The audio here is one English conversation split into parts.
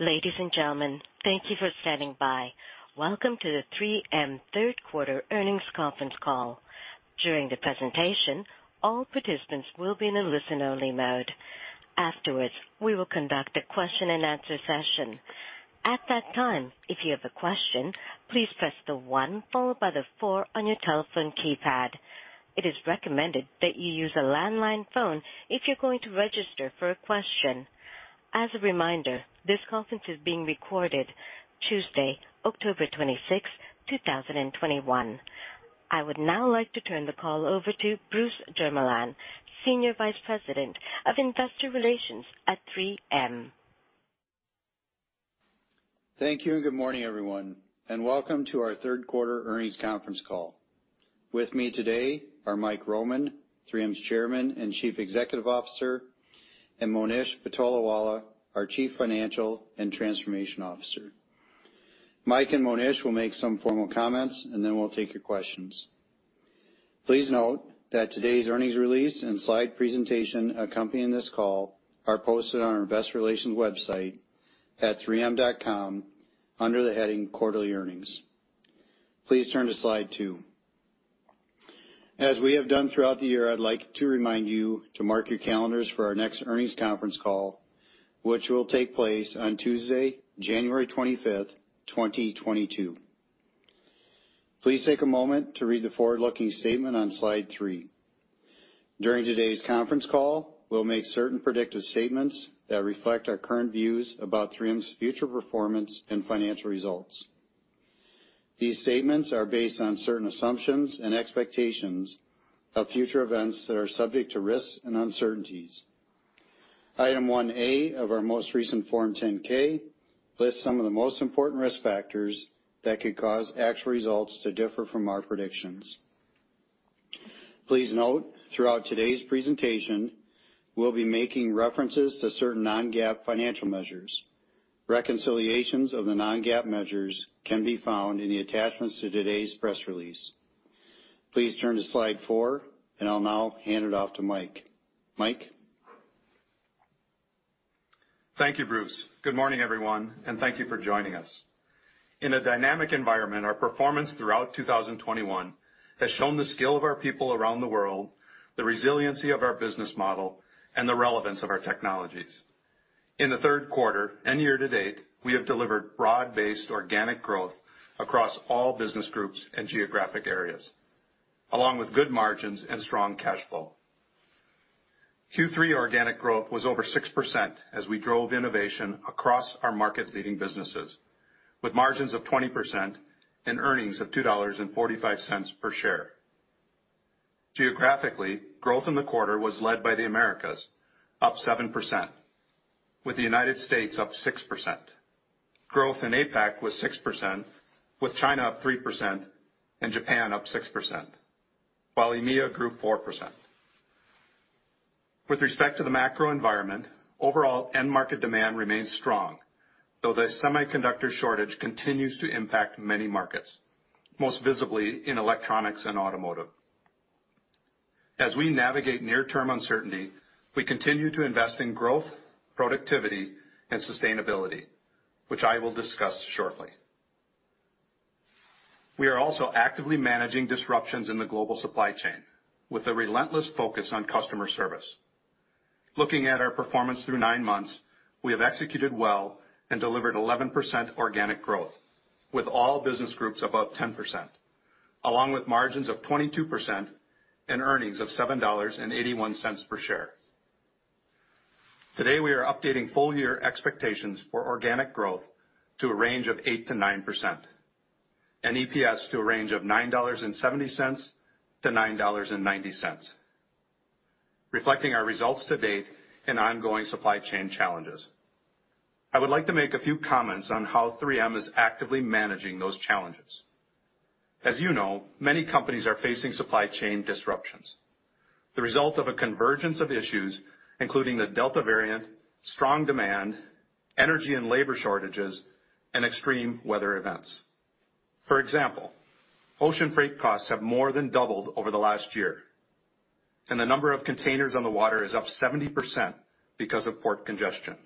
Ladies and gentlemen, thank you for standing by. Welcome to the 3M third quarter earnings conference call. During the presentation, all participants will be in a listen-only mode. Afterwards, we will conduct a question-and-answer session. At that time, if you have a question, please press the one followed by the four on your telephone keypad. It is recommended that you use a landline phone if you're going to register for a question. As a reminder, this conference is being recorded Tuesday, October 26, 2021. I would now like to turn the call over to Bruce Jermeland, Senior Vice President of Investor Relations at 3M. Thank you, and good morning, everyone, and welcome to our third quarter earnings conference call. With me today are Mike Roman, 3M's Chairman and Chief Executive Officer, and Monish Patolawala, our Chief Financial and Transformation Officer. Mike and Monish will make some formal comments, and then we'll take your questions. Please note that today's earnings release and slide presentation accompanying this call are posted on our investor relations website at 3m.com under the heading Quarterly Earnings. Please turn to slide two. As we have done throughout the year, I'd like to remind you to mark your calendars for our next earnings conference call, which will take place on Tuesday, January 25th, 2022. Please take a moment to read the forward-looking statement on slide three. During today's conference call, we'll make certain predictive statements that reflect our current views about 3M's future performance and financial results. These statements are based on certain assumptions and expectations of future events that are subject to risks and uncertainties. Item 1A of our most recent Form 10-K lists some of the most important risk factors that could cause actual results to differ from our predictions. Please note throughout today's presentation we'll be making references to certain non-GAAP financial measures. Reconciliations of the non-GAAP measures can be found in the attachments to today's press release. Please turn to slide four, and I'll now hand it off to Mike. Mike? Thank you, Bruce. Good morning, everyone, and thank you for joining us. In a dynamic environment, our performance throughout 2021 has shown the skill of our people around the world, the resiliency of our business model, and the relevance of our technologies. In the third quarter and year to date, we have delivered broad-based organic growth across all business groups and geographic areas, along with good margins and strong cash flow. Q3 organic growth was over 6% as we drove innovation across our market-leading businesses, with margins of 20% and earnings of $2.45 per share. Geographically, growth in the quarter was led by the Americas, up 7%, with the United States up 6%. Growth in APAC was 6%, with China up 3% and Japan up 6%, while EMEA grew 4%. With respect to the macro environment, overall end market demand remains strong, though the semiconductor shortage continues to impact many markets, most visibly in Electronics and automotive. As we navigate near-term uncertainty, we continue to invest in growth, productivity, and sustainability, which I will discuss shortly. We are also actively managing disruptions in the global supply chain with a relentless focus on customer service. Looking at our performance through nine months, we have executed well and delivered 11% organic growth, with all business groups above 10%, along with margins of 22% and earnings of $7.81 per share. Today, we are updating full year expectations for organic growth to a range of 8%-9%, and EPS to a range of $9.70-$9.90, reflecting our results to date and ongoing supply chain challenges. I would like to make a few comments on how 3M is actively managing those challenges. As you know, many companies are facing supply chain disruptions, the result of a convergence of issues, including the Delta variant, strong demand, energy and labor shortages, and extreme weather events. For example, ocean freight costs have more than doubled over the last year, and the number of containers on the water is up 70% because of port congestion.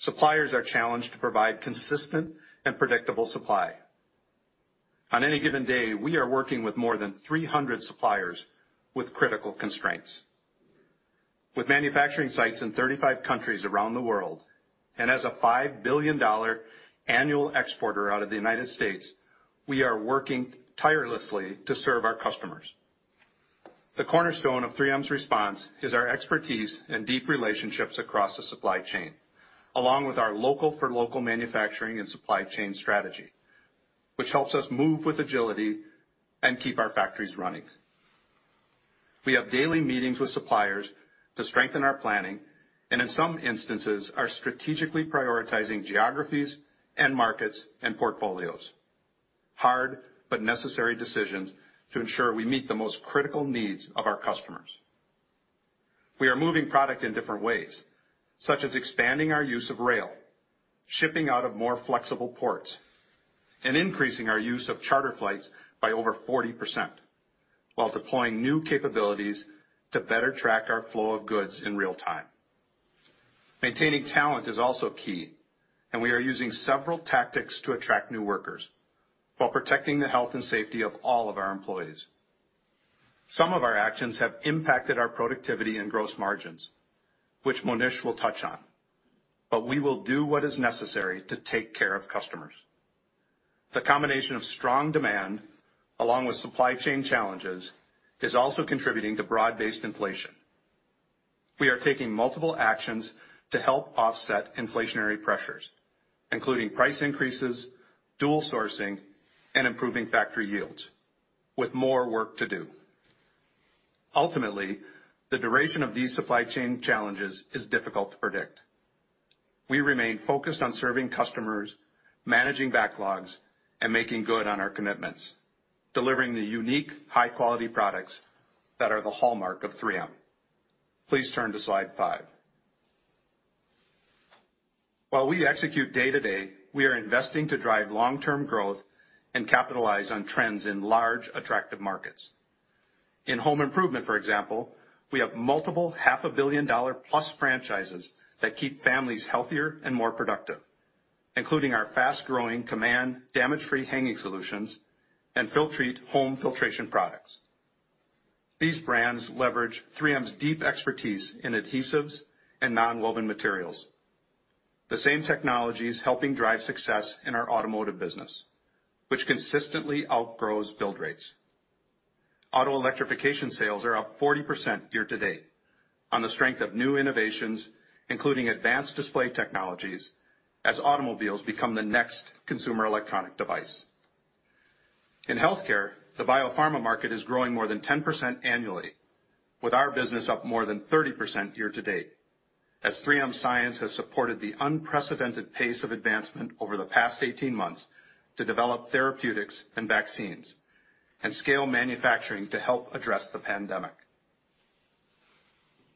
Suppliers are challenged to provide consistent and predictable supply. On any given day, we are working with more than 300 suppliers with critical constraints. With manufacturing sites in 35 countries around the world and as a $5 billion annual exporter out of the United States, we are working tirelessly to serve our customers. The cornerstone of 3M's response is our expertise and deep relationships across the supply chain, along with our local for local manufacturing and supply chain strategy, which helps us move with agility and keep our factories running. We have daily meetings with suppliers to strengthen our planning and in some instances are strategically prioritizing geographies and markets and portfolios. Hard but necessary decisions to ensure we meet the most critical needs of our customers. We are moving product in different ways, such as expanding our use of rail, shipping out of more flexible ports and increasing our use of charter flights by over 40% while deploying new capabilities to better track our flow of goods in real time. Maintaining talent is also key, and we are using several tactics to attract new workers while protecting the health and safety of all of our employees. Some of our actions have impacted our productivity and gross margins, which Monish will touch on. We will do what is necessary to take care of customers. The combination of strong demand along with supply chain challenges is also contributing to broad-based inflation. We are taking multiple actions to help offset inflationary pressures, including price increases, dual sourcing, and improving factory yields with more work to do. Ultimately, the duration of these supply chain challenges is difficult to predict. We remain focused on serving customers, managing backlogs, and making good on our commitments, delivering the unique, high-quality products that are the hallmark of 3M. Please turn to slide five. While we execute day-to-day, we are investing to drive long-term growth and capitalize on trends in large, attractive markets. In home improvement, for example, we have multiple $500 million+ franchises that keep families healthier and more productive, including our fast-growing Command damage-free hanging solutions and Filtrete home filtration products. These brands leverage 3M's deep expertise in adhesives and nonwoven materials. The same technologies helping drive success in our automotive business, which consistently outgrows build rates. Auto electrification sales are up 40% year-to-date on the strength of new innovations, including advanced display technologies, as automobiles become the next consumer electronic device. In Healthcare, the biopharma market is growing more than 10% annually, with our business up more than 30% year-to-date, as 3M Science has supported the unprecedented pace of advancement over the past 18 months to develop therapeutics and vaccines and scale manufacturing to help address the pandemic.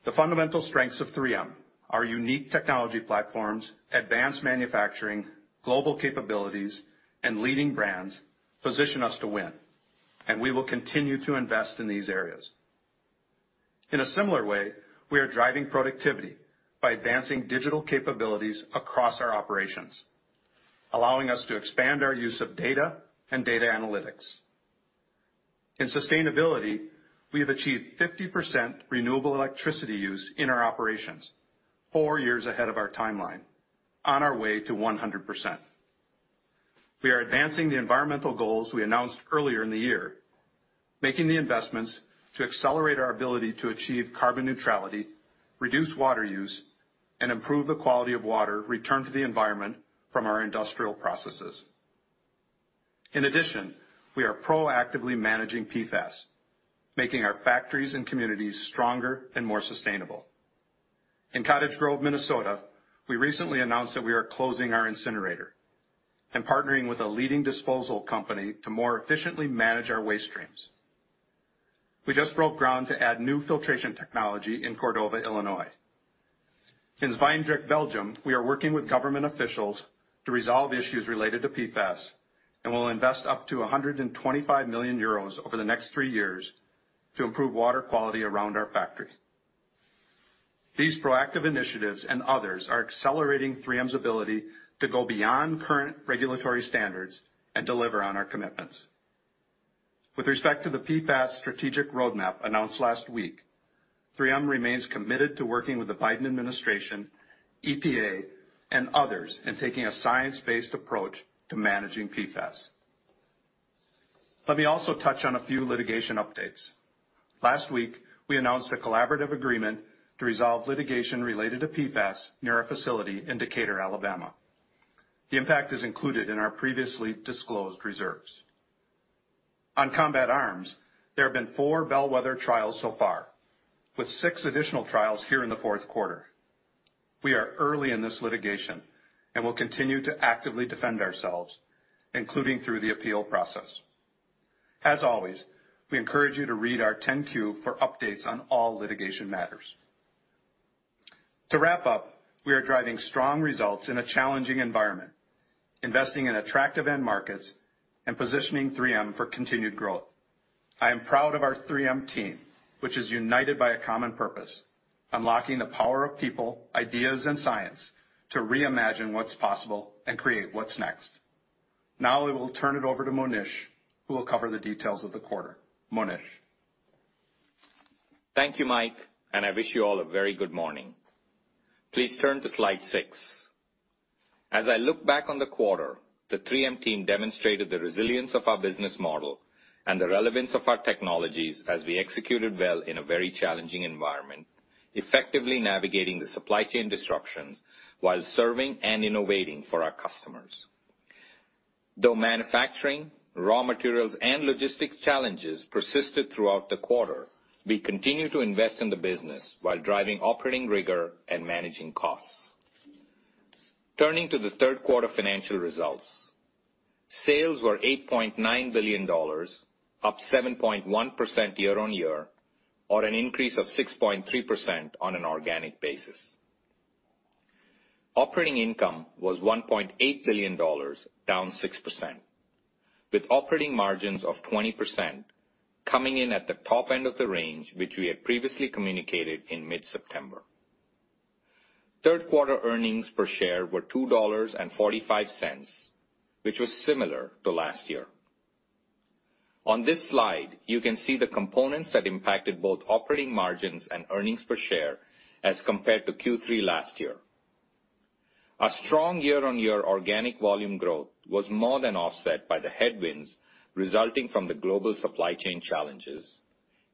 The fundamental strengths of 3M, our unique technology platforms, advanced manufacturing, global capabilities, and leading brands position us to win, and we will continue to invest in these areas. In a similar way, we are driving productivity by advancing digital capabilities across our operations, allowing us to expand our use of data and data analytics. In sustainability, we have achieved 50% renewable electricity use in our operations, four years ahead of our timeline, on our way to 100%. We are advancing the environmental goals we announced earlier in the year, making the investments to accelerate our ability to achieve carbon neutrality, reduce water use, and improve the quality of water returned to the environment from our industrial processes. In addition, we are proactively managing PFAS, making our factories and communities stronger and more sustainable. In Cottage Grove, Minnesota, we recently announced that we are closing our incinerator and partnering with a leading disposal company to more efficiently manage our waste streams. We just broke ground to add new filtration technology in Cordova, Illinois. In Zwijndrecht, Belgium, we are working with government officials to resolve issues related to PFAS and will invest up to 125 million euros over the next three years to improve water quality around our factory. These proactive initiatives and others are accelerating 3M's ability to go beyond current regulatory standards and deliver on our commitments. With respect to the PFAS Strategic Roadmap announced last week, 3M remains committed to working with the Biden administration, EPA, and others in taking a science-based approach to managing PFAS. Let me also touch on a few litigation updates. Last week, we announced a collaborative agreement to resolve litigation related to PFAS near our facility in Decatur, Alabama. The impact is included in our previously disclosed reserves. On Combat Arms, there have been four bellwether trials so far, with six additional trials here in the fourth quarter. We are early in this litigation and will continue to actively defend ourselves, including through the appeal process. As always, we encourage you to read our 10-Q for updates on all litigation matters. To wrap up, we are driving strong results in a challenging environment, investing in attractive end markets and positioning 3M for continued growth. I am proud of our 3M team, which is united by a common purpose, unlocking the power of people, ideas, and science to reimagine what's possible and create what's next. Now I will turn it over to Monish, who will cover the details of the quarter. Monish. Thank you, Mike, and I wish you all a very good morning. Please turn to slide six. As I look back on the quarter, the 3M team demonstrated the resilience of our business model and the relevance of our technologies as we executed well in a very challenging environment, effectively navigating the supply chain disruptions while serving and innovating for our customers. Though manufacturing, raw materials, and logistics challenges persisted throughout the quarter, we continue to invest in the business while driving operating rigor and managing costs. Turning to the third quarter financial results. Sales were $8.9 billion, up 7.1% year-on-year, or an increase of 6.3% on an organic basis. Operating income was $1.8 billion, down 6%, with operating margins of 20% coming in at the top end of the range which we had previously communicated in mid-September. Third quarter earnings per share were $2.45, which was similar to last year. On this slide, you can see the components that impacted both operating margins and earnings per share as compared to Q3 last year. A strong year-on-year organic volume growth was more than offset by the headwinds resulting from the global supply chain challenges,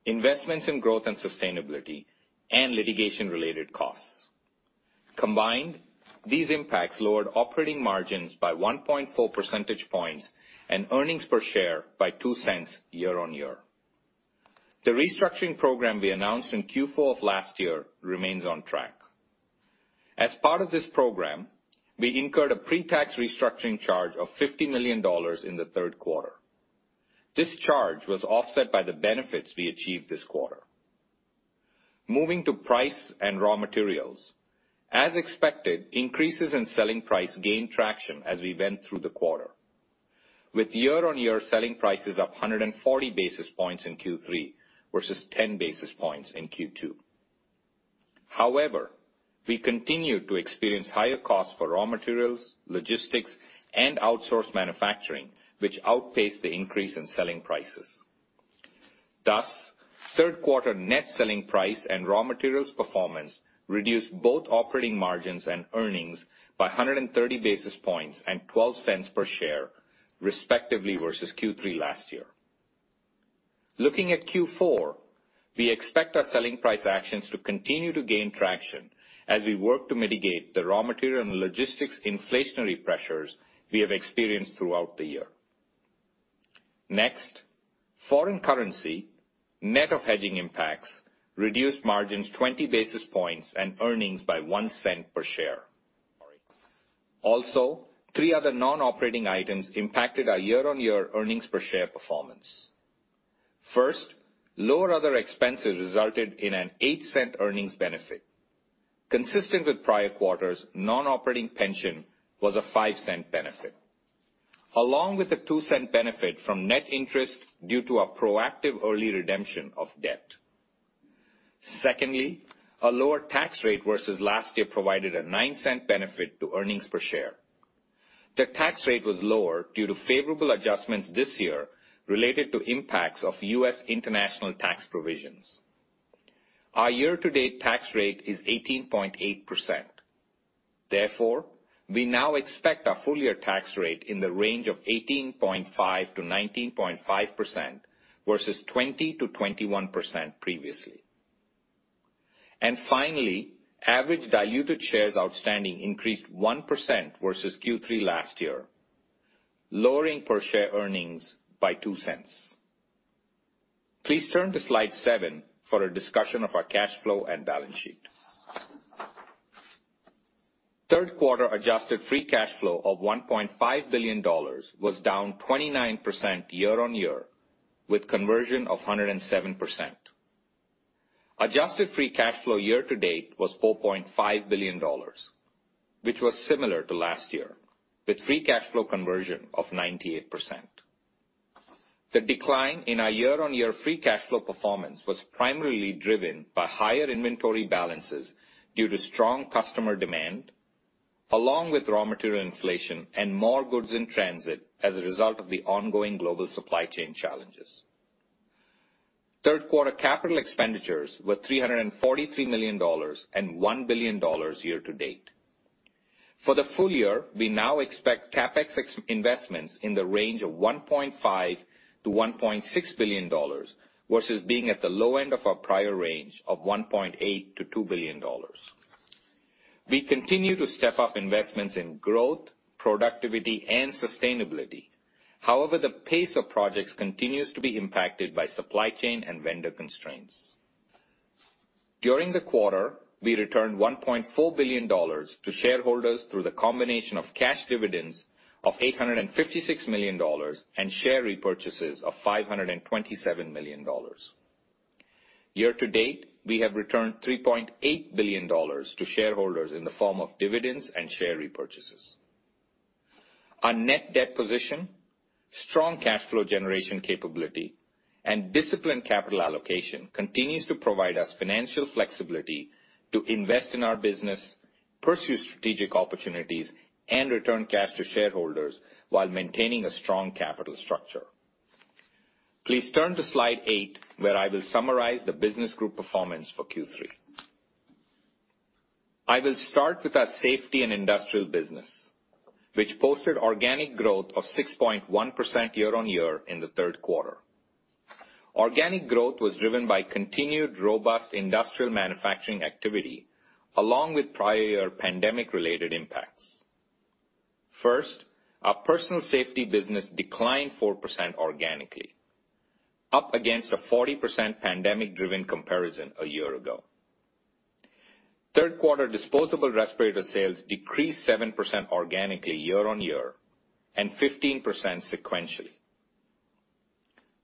investments in growth and sustainability, and litigation-related costs. Combined, these impacts lowered operating margins by 1.4 percentage points and earnings per share by $0.02 year on year. The restructuring program we announced in Q4 of last year remains on track. As part of this program, we incurred a pre-tax restructuring charge of $50 million in the third quarter. This charge was offset by the benefits we achieved this quarter. Moving to price and raw materials. As expected, increases in selling price gained traction as we went through the quarter, with year-on-year selling prices up 140 basis points in Q3 versus 10 basis points in Q2. However, we continued to experience higher costs for raw materials, logistics, and outsourced manufacturing, which outpaced the increase in selling prices. Thus, third quarter net selling price and raw materials performance reduced both operating margins and earnings by 130 basis points and $0.12 per share, respectively, versus Q3 last year. Looking at Q4, we expect our selling price actions to continue to gain traction as we work to mitigate the raw material and logistics inflationary pressures we have experienced throughout the year. Next, foreign currency, net of hedging impacts, reduced margins 20 basis points and earnings by $0.01 per share. Also, three other non-operating items impacted our year-on-year earnings per share performance. First, lower other expenses resulted in an $0.08 earnings benefit. Consistent with prior quarters, non-operating pension was a $0.05 benefit, along with a $0.02 benefit from net interest due to a proactive early redemption of debt. Secondly, a lower tax rate versus last year provided a $0.09 benefit to earnings per share. The tax rate was lower due to favorable adjustments this year related to impacts of U.S. international tax provisions. Our year-to-date tax rate is 18.8%. Therefore, we now expect our full-year tax rate in the range of 18.5%-19.5% versus 20%-21% previously. Finally, average diluted shares outstanding increased 1% versus Q3 last year, lowering per share earnings by $0.02. Please turn to slide 7 for a discussion of our cash flow and balance sheet. Third quarter adjusted free cash flow of $1.5 billion was down 29% year-on-year, with conversion of 107%. Adjusted free cash flow year to date was $4.5 billion, which was similar to last year, with free cash flow conversion of 98%. The decline in our year-on-year free cash flow performance was primarily driven by higher inventory balances due to strong customer demand, along with raw material inflation and more goods in transit as a result of the ongoing global supply chain challenges. Third quarter capital expenditures were $343 million and $1 billion year to date. For the full year, we now expect CapEx excluding investments in the range of $1.5 billion-$1.6 billion versus being at the low end of our prior range of $1.8 billion-$2 billion. We continue to step up investments in growth, productivity, and sustainability. However, the pace of projects continues to be impacted by supply chain and vendor constraints. During the quarter, we returned $1.4 billion to shareholders through the combination of cash dividends of $856 million and share repurchases of $527 million. Year to date, we have returned $3.8 billion to shareholders in the form of dividends and share repurchases. Our net debt position, strong cash flow generation capability, and disciplined capital allocation continues to provide us financial flexibility to invest in our business, pursue strategic opportunities, and return cash to shareholders while maintaining a strong capital structure. Please turn to Slide 8, where I will summarize the business group performance for Q3. I will start with our Safety and Industrial business, which posted organic growth of 6.1% year-over-year in the third quarter. Organic growth was driven by continued robust industrial manufacturing activity along with prior pandemic-related impacts. First, our personal safety business declined 4% organically, up against a 40% pandemic-driven comparison a year ago. Third quarter disposable respirator sales decreased 7% organically year-on-year, and 15% sequentially.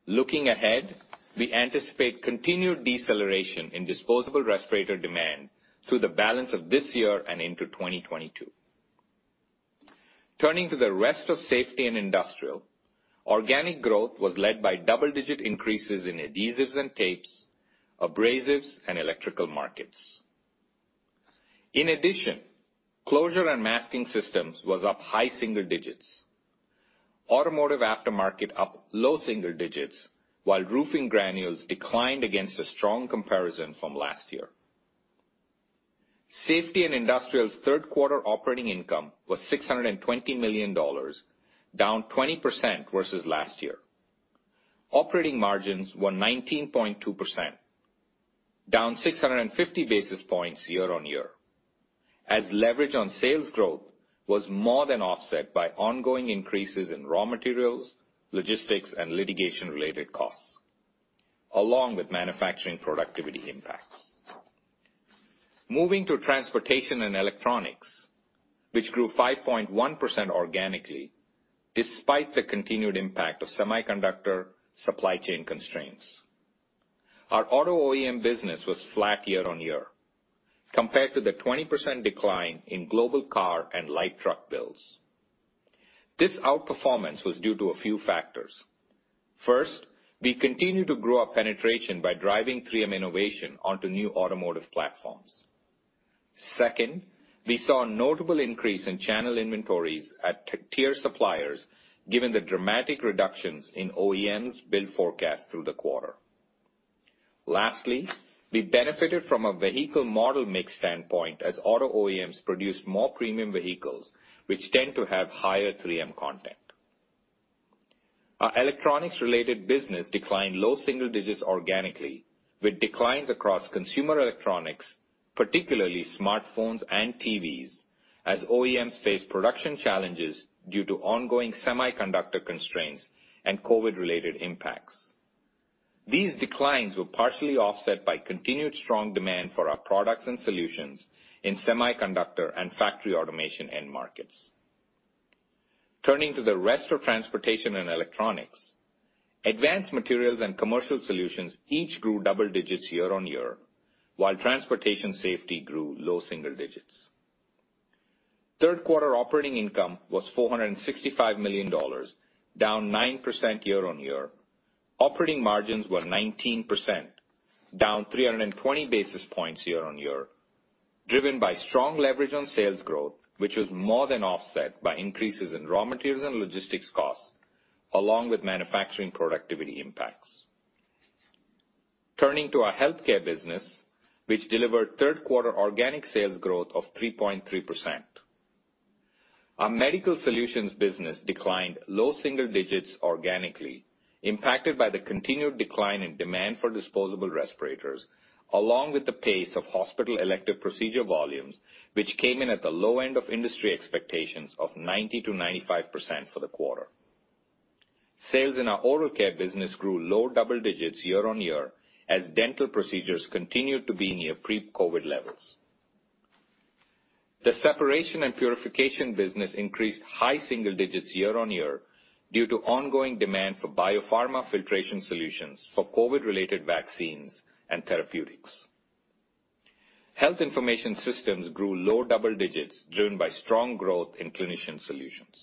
Looking ahead, we anticipate continued deceleration in disposable respirator demand through the balance of this year and into 2022. Turning to the rest of Safety and Industrial, organic growth was led by double-digit increases in adhesives and tapes, abrasives, and electrical markets. In addition, closure and masking systems was up high single digits. Automotive aftermarket up low single digits, while roofing granules declined against a strong comparison from last year. Safety and Industrial's third quarter operating income was $620 million, down 20% versus last year. Operating margins were 19.2%, down 650 basis points year-on-year, as leverage on sales growth was more than offset by ongoing increases in raw materials, logistics, and litigation-related costs, along with manufacturing productivity impacts. Moving to Transportation and Electronics, which grew 5.1% organically, despite the continued impact of semiconductor supply chain constraints. Our auto OEM business was flat year-on-year, compared to the 20% decline in global car and light truck builds. This outperformance was due to a few factors. First, we continued to grow our penetration by driving 3M innovation onto new automotive platforms. Second, we saw a notable increase in channel inventories at tier suppliers, given the dramatic reductions in OEMs build forecast through the quarter. Lastly, we benefited from a vehicle model mix standpoint as auto OEMs produced more premium vehicles, which tend to have higher 3M content. Our Electronics-related business declined low single digits organically with declines across consumer Electronics, particularly smartphones and TVs, as OEMs face production challenges due to ongoing semiconductor constraints and COVID-related impacts. These declines were partially offset by continued strong demand for our products and solutions in semiconductor and factory automation end markets. Turning to the rest of Transportation and Electronics, advanced materials and commercial solutions each grew double digits year-on-year, while Transportation safety grew low single digits. Third quarter operating income was $465 million, down 9% year-on-year. Operating margins were 19%, down 320 basis points year-on-year, driven by strong leverage on sales growth, which was more than offset by increases in raw materials and logistics costs, along with manufacturing productivity impacts. Turning to our Healthcare business, which delivered third quarter organic sales growth of 3.3%. Our medical solutions business declined low single digits organically, impacted by the continued decline in demand for disposable respirators, along with the pace of hospital elective procedure volumes, which came in at the low end of industry expectations of 90%-95% for the quarter. Sales in our oral care business grew low double digits year-on-year as dental procedures continued to be near pre-COVID levels. The separation and purification business increased high single digits year-on-year due to ongoing demand for biopharma filtration solutions for COVID-related vaccines and therapeutics. Health information systems grew low double digits, driven by strong growth in clinician solutions.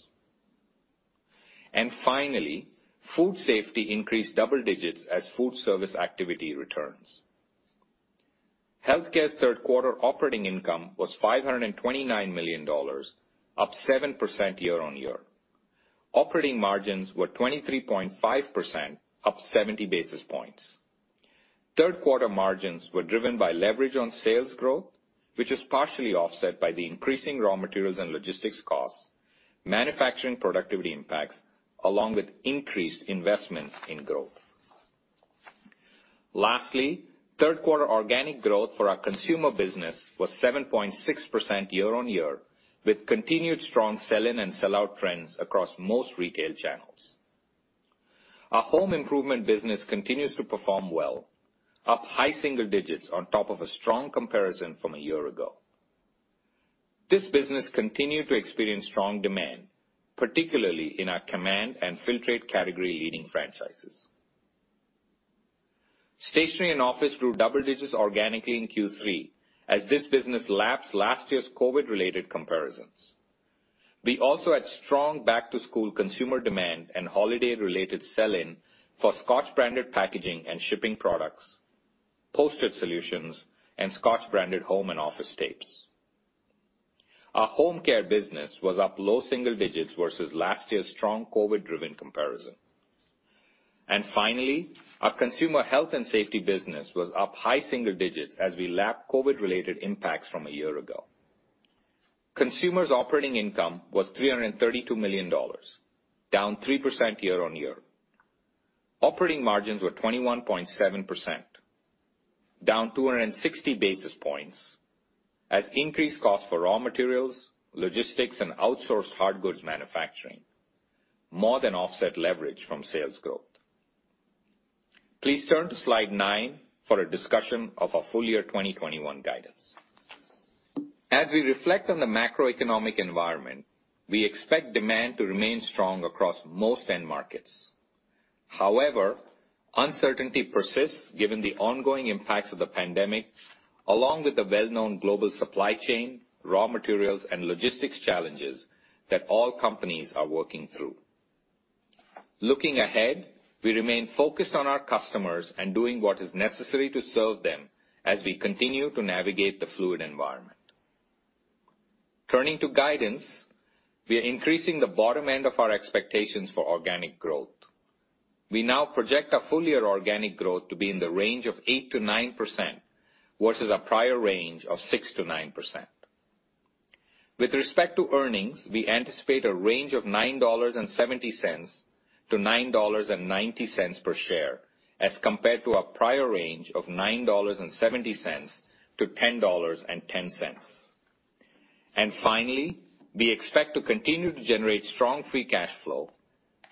Finally, food safety increased double digits as food service activity returns. Health Care's third quarter operating income was $529 million, up 7% year-on-year. Operating margins were 23.5%, up 70 basis points. Third quarter margins were driven by leverage on sales growth, which was partially offset by the increasing raw materials and logistics costs, manufacturing productivity impacts, along with increased investments in growth. Lastly, third quarter organic growth for our consumer business was 7.6% year-on-year, with continued strong sell-in and sell-out trends across most retail channels. Our home improvement business continues to perform well, up high single digits on top of a strong comparison from a year ago. This business continued to experience strong demand, particularly in our Command and Filtrete category-leading franchises. Stationery and Office grew double digits organically in Q3, as this business lapsed last year's COVID-related comparisons. We also had strong back-to-school consumer demand and holiday-related sell-in for Scotch branded packaging and shipping products, postage solutions, and Scotch branded home and office tapes. Our home care business was up low single digits versus last year's strong COVID-driven comparison. Our consumer health and safety business was up high single digits as we lap COVID-related impacts from a year ago. Consumer's operating income was $332 million, down 3% year-over-year. Operating margins were 21.7%, down 260 basis points as increased costs for raw materials, logistics and outsourced hard goods manufacturing, more than offset leverage from sales growth. Please turn to slide nine for a discussion of our full year 2021 guidance. As we reflect on the macroeconomic environment, we expect demand to remain strong across most end markets. However, uncertainty persists given the ongoing impacts of the pandemic, along with the well-known global supply chain, raw materials, and logistics challenges that all companies are working through. Looking ahead, we remain focused on our customers and doing what is necessary to serve them as we continue to navigate the fluid environment. Turning to guidance, we are increasing the bottom end of our expectations for organic growth. We now project our full year organic growth to be in the range of 8%-9% versus a prior range of 6%-9%. With respect to earnings, we anticipate a range of $9.70-$9.90 per share as compared to our prior range of $9.70-$10.10. Finally, we expect to continue to generate strong free cash flow,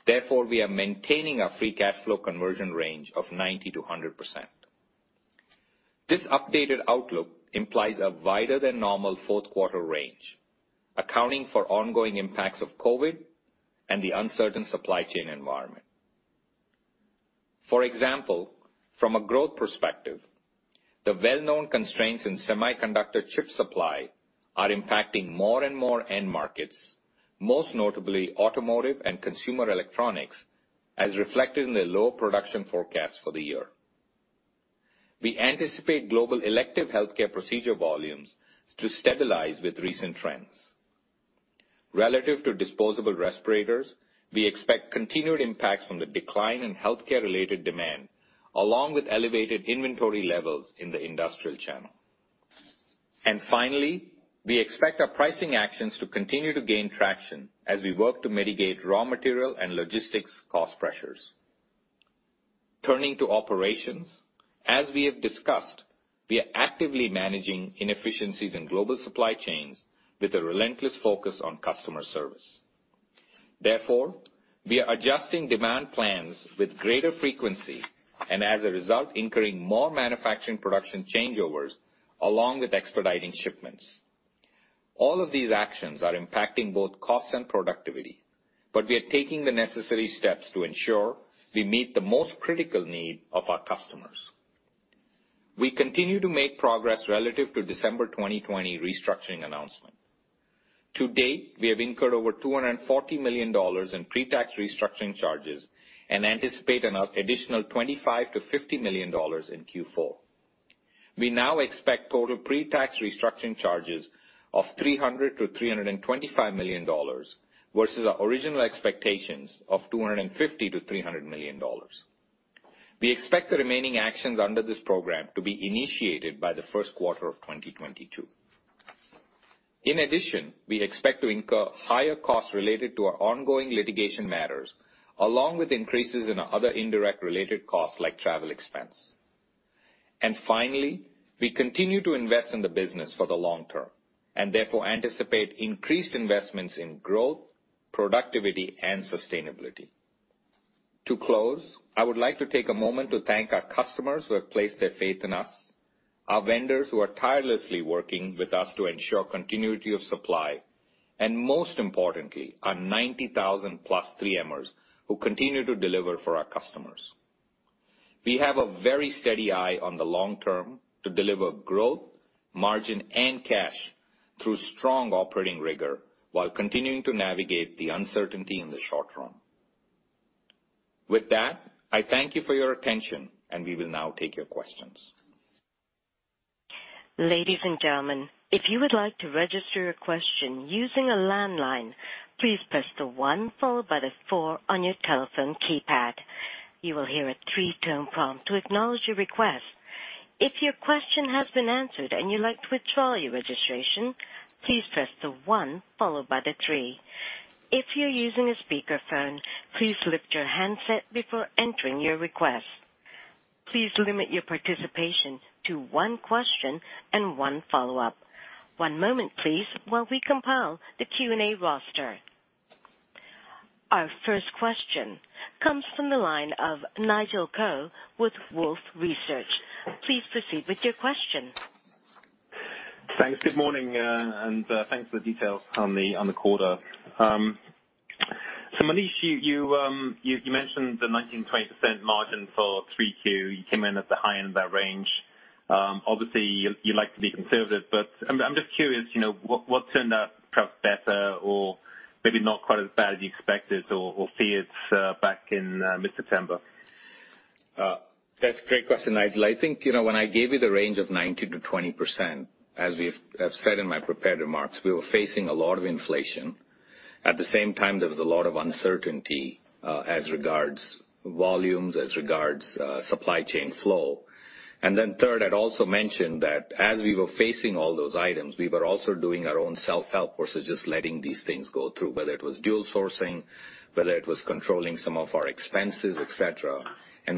therefore, we are maintaining our free cash flow conversion range of 90%-100%. This updated outlook implies a wider than normal fourth quarter range, accounting for ongoing impacts of COVID and the uncertain supply chain environment. For example, from a growth perspective, the well-known constraints in semiconductor chip supply are impacting more and more end markets, most notably automotive and consumer Electronics, as reflected in the low production forecast for the year. We anticipate global elective Healthcare procedure volumes to stabilize with recent trends. Relative to disposable respirators, we expect continued impacts from the decline in Healthcare related demand, along with elevated inventory levels in the industrial channel. Finally, we expect our pricing actions to continue to gain traction as we work to mitigate raw material and logistics cost pressures. Turning to operations, as we have discussed, we are actively managing inefficiencies in global supply chains with a relentless focus on customer service. Therefore, we are adjusting demand plans with greater frequency, and as a result, incurring more manufacturing production changeovers along with expediting shipments. All of these actions are impacting both cost and productivity, but we are taking the necessary steps to ensure we meet the most critical need of our customers. We continue to make progress relative to December 2020 restructuring announcement. To date, we have incurred over $240 million in pre-tax restructuring charges and anticipate an additional $25 million-$50 million in Q4. We now expect total pre-tax restructuring charges of $300 million-$325 million versus our original expectations of $250 million-$300 million. We expect the remaining actions under this program to be initiated by the first quarter of 2022. In addition, we expect to incur higher costs related to our ongoing litigation matters, along with increases in other indirect related costs like travel expense. Finally, we continue to invest in the business for the long term, and therefore anticipate increased investments in growth, productivity, and sustainability. To close, I would like to take a moment to thank our customers who have placed their faith in us, our vendors who are tirelessly working with us to ensure continuity of supply, and most importantly, our 90,000+ 3M-ers who continue to deliver for our customers. We have a very steady eye on the long term to deliver growth, margin, and cash through strong operating rigor while continuing to navigate the uncertainty in the short term. With that, I thank you for your attention, and we will now take your questions. Our first question comes from the line of Nigel Coe with Wolfe Research. Please proceed with your question. Thanks. Good morning, and thanks for the details on the quarter. So Monish, you mentioned the 19%-20% margin for 3Q. You came in at the high end of that range. Obviously you like to be conservative, but I'm just curious, you know, what turned out perhaps better or maybe not quite as bad as you expected or feared back in mid-September? That's a great question, Nigel. I think, you know, when I gave you the range of 19%-20%, as we have, I've said in my prepared remarks, we were facing a lot of inflation. At the same time, there was a lot of uncertainty, as regards volumes, as regards supply chain flow. When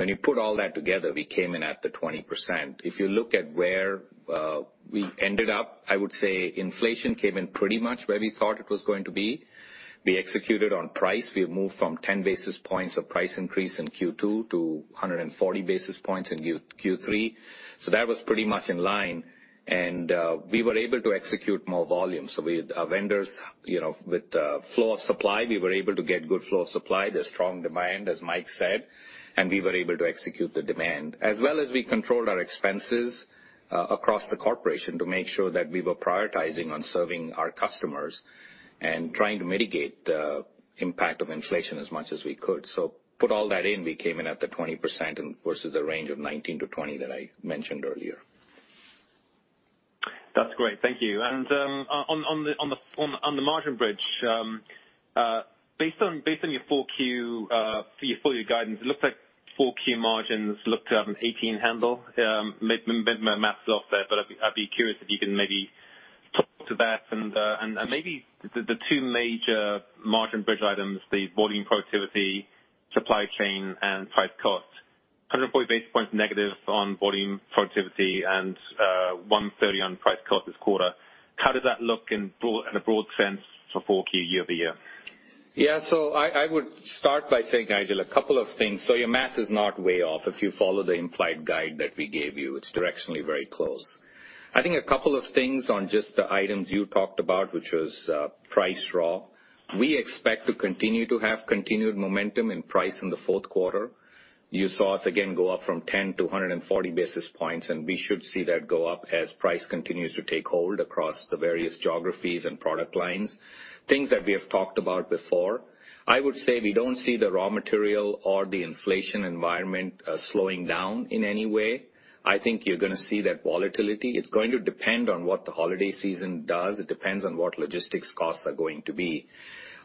you put all that together, we came in at the 20%. If you look at where we ended up, I would say inflation came in pretty much where we thought it was going to be. We executed on price. We have moved from 10 basis points of price increase in Q2 to 140 basis points in Q3. That was pretty much in line. We were able to execute more volume. Our vendors, you know, with flow of supply, we were able to get good flow of supply. There's strong demand, as Mike said, and we were able to execute the demand. We controlled our expenses across the corporation to make sure that we were prioritizing on serving our customers and trying to mitigate the impact of inflation as much as we could. Put all that in, we came in at the 20% versus a range of 19%-20% that I mentioned earlier. That's great. Thank you. On the margin bridge, based on your Q4 for your full year guidance, it looks like Q4 margins look to have an 18 handle. Math's off there, but I'd be curious if you can maybe talk to that and maybe the two major margin bridge items, the volume productivity, supply chain and price cost. 140 basis points negative on volume productivity and 130 on price cost this quarter. How does that look in a broad sense for Q4 year-over-year? Yeah. I would start by saying, Nigel, a couple of things. Your math is not way off. If you follow the implied guide that we gave you, it's directionally very close. I think a couple of things on just the items you talked about, which was price raw. We expect to continue to have continued momentum in price in the fourth quarter. You saw us again go up from 10 basis points to 140 basis points, and we should see that go up as price continues to take hold across the various geographies and product lines, things that we have talked about before. I would say we don't see the raw material or the inflation environment slowing down in any way. I think you're gonna see that volatility. It's going to depend on what the holiday season does. It depends on what logistics costs are going to be.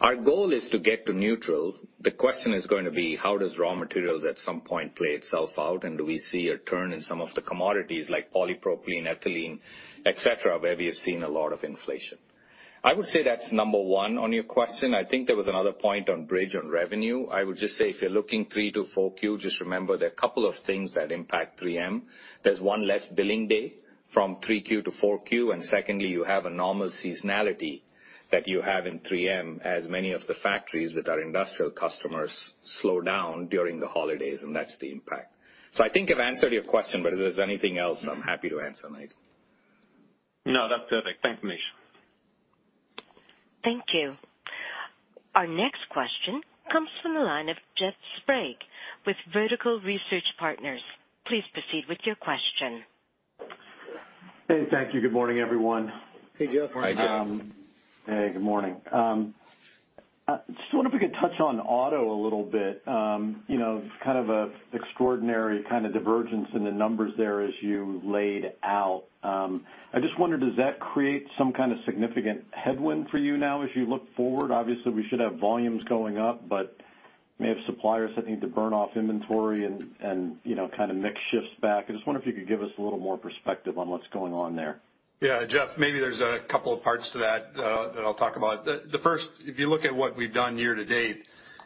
Our goal is to get to neutral. The question is gonna be how does raw materials at some point play itself out, and do we see a turn in some of the commodities like polypropylene, ethylene, et cetera, where we have seen a lot of inflation. I would say that's number one on your question. I think there was another point on bridge on revenue. I would just say if you're looking three to four Q, just remember there are a couple of things that impact 3M. There's one less billing day from three Q to four Q, and secondly, you have a normal seasonality that you have in 3M as many of the factories with our industrial customers slow down during the holidays, and that's the impact. I think I've answered your question, but if there's anything else, I'm happy to answer, Nigel. No, that's perfect. Thanks, Monish. Thank you. Our next question comes from the line of Jeff Sprague with Vertical Research Partners. Please proceed with your question. Hey. Thank you. Good morning, everyone. Hey, Jeff. Hi, Jeff. Hey, good morning. I just wonder if you could touch on auto a little bit. You know, it's kind of a extraordinary kind of divergence in the numbers there as you laid out. I just wonder, does that create some kind of significant headwind for you now as you look forward? Obviously, we should have volumes going up, but may have suppliers that need to burn off inventory and, you know, kind of mix shifts back. I just wonder if you could give us a little more perspective on what's going on there. Yeah, Jeff, maybe there's a couple of parts to that I'll talk about. The first, if you look at what we've done year to date,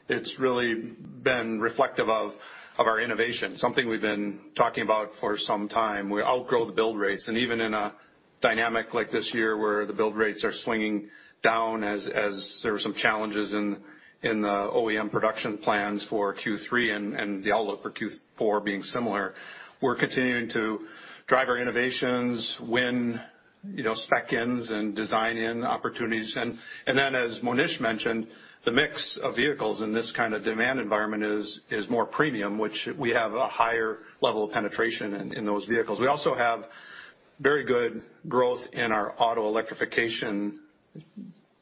it's really been reflective of our innovation, something we've been talking about for some time. We outgrow the build rates, and even in a dynamic like this year where the build rates are swinging down as there were some challenges in the OEM production plans for Q3 and the outlook for Q4 being similar, we're continuing to drive our innovations, win, you know, spec-ins and design-in opportunities. Then as Monish mentioned, the mix of vehicles in this kind of demand environment is more premium, which we have a higher level of penetration in those vehicles. We also have very good growth in our auto electrification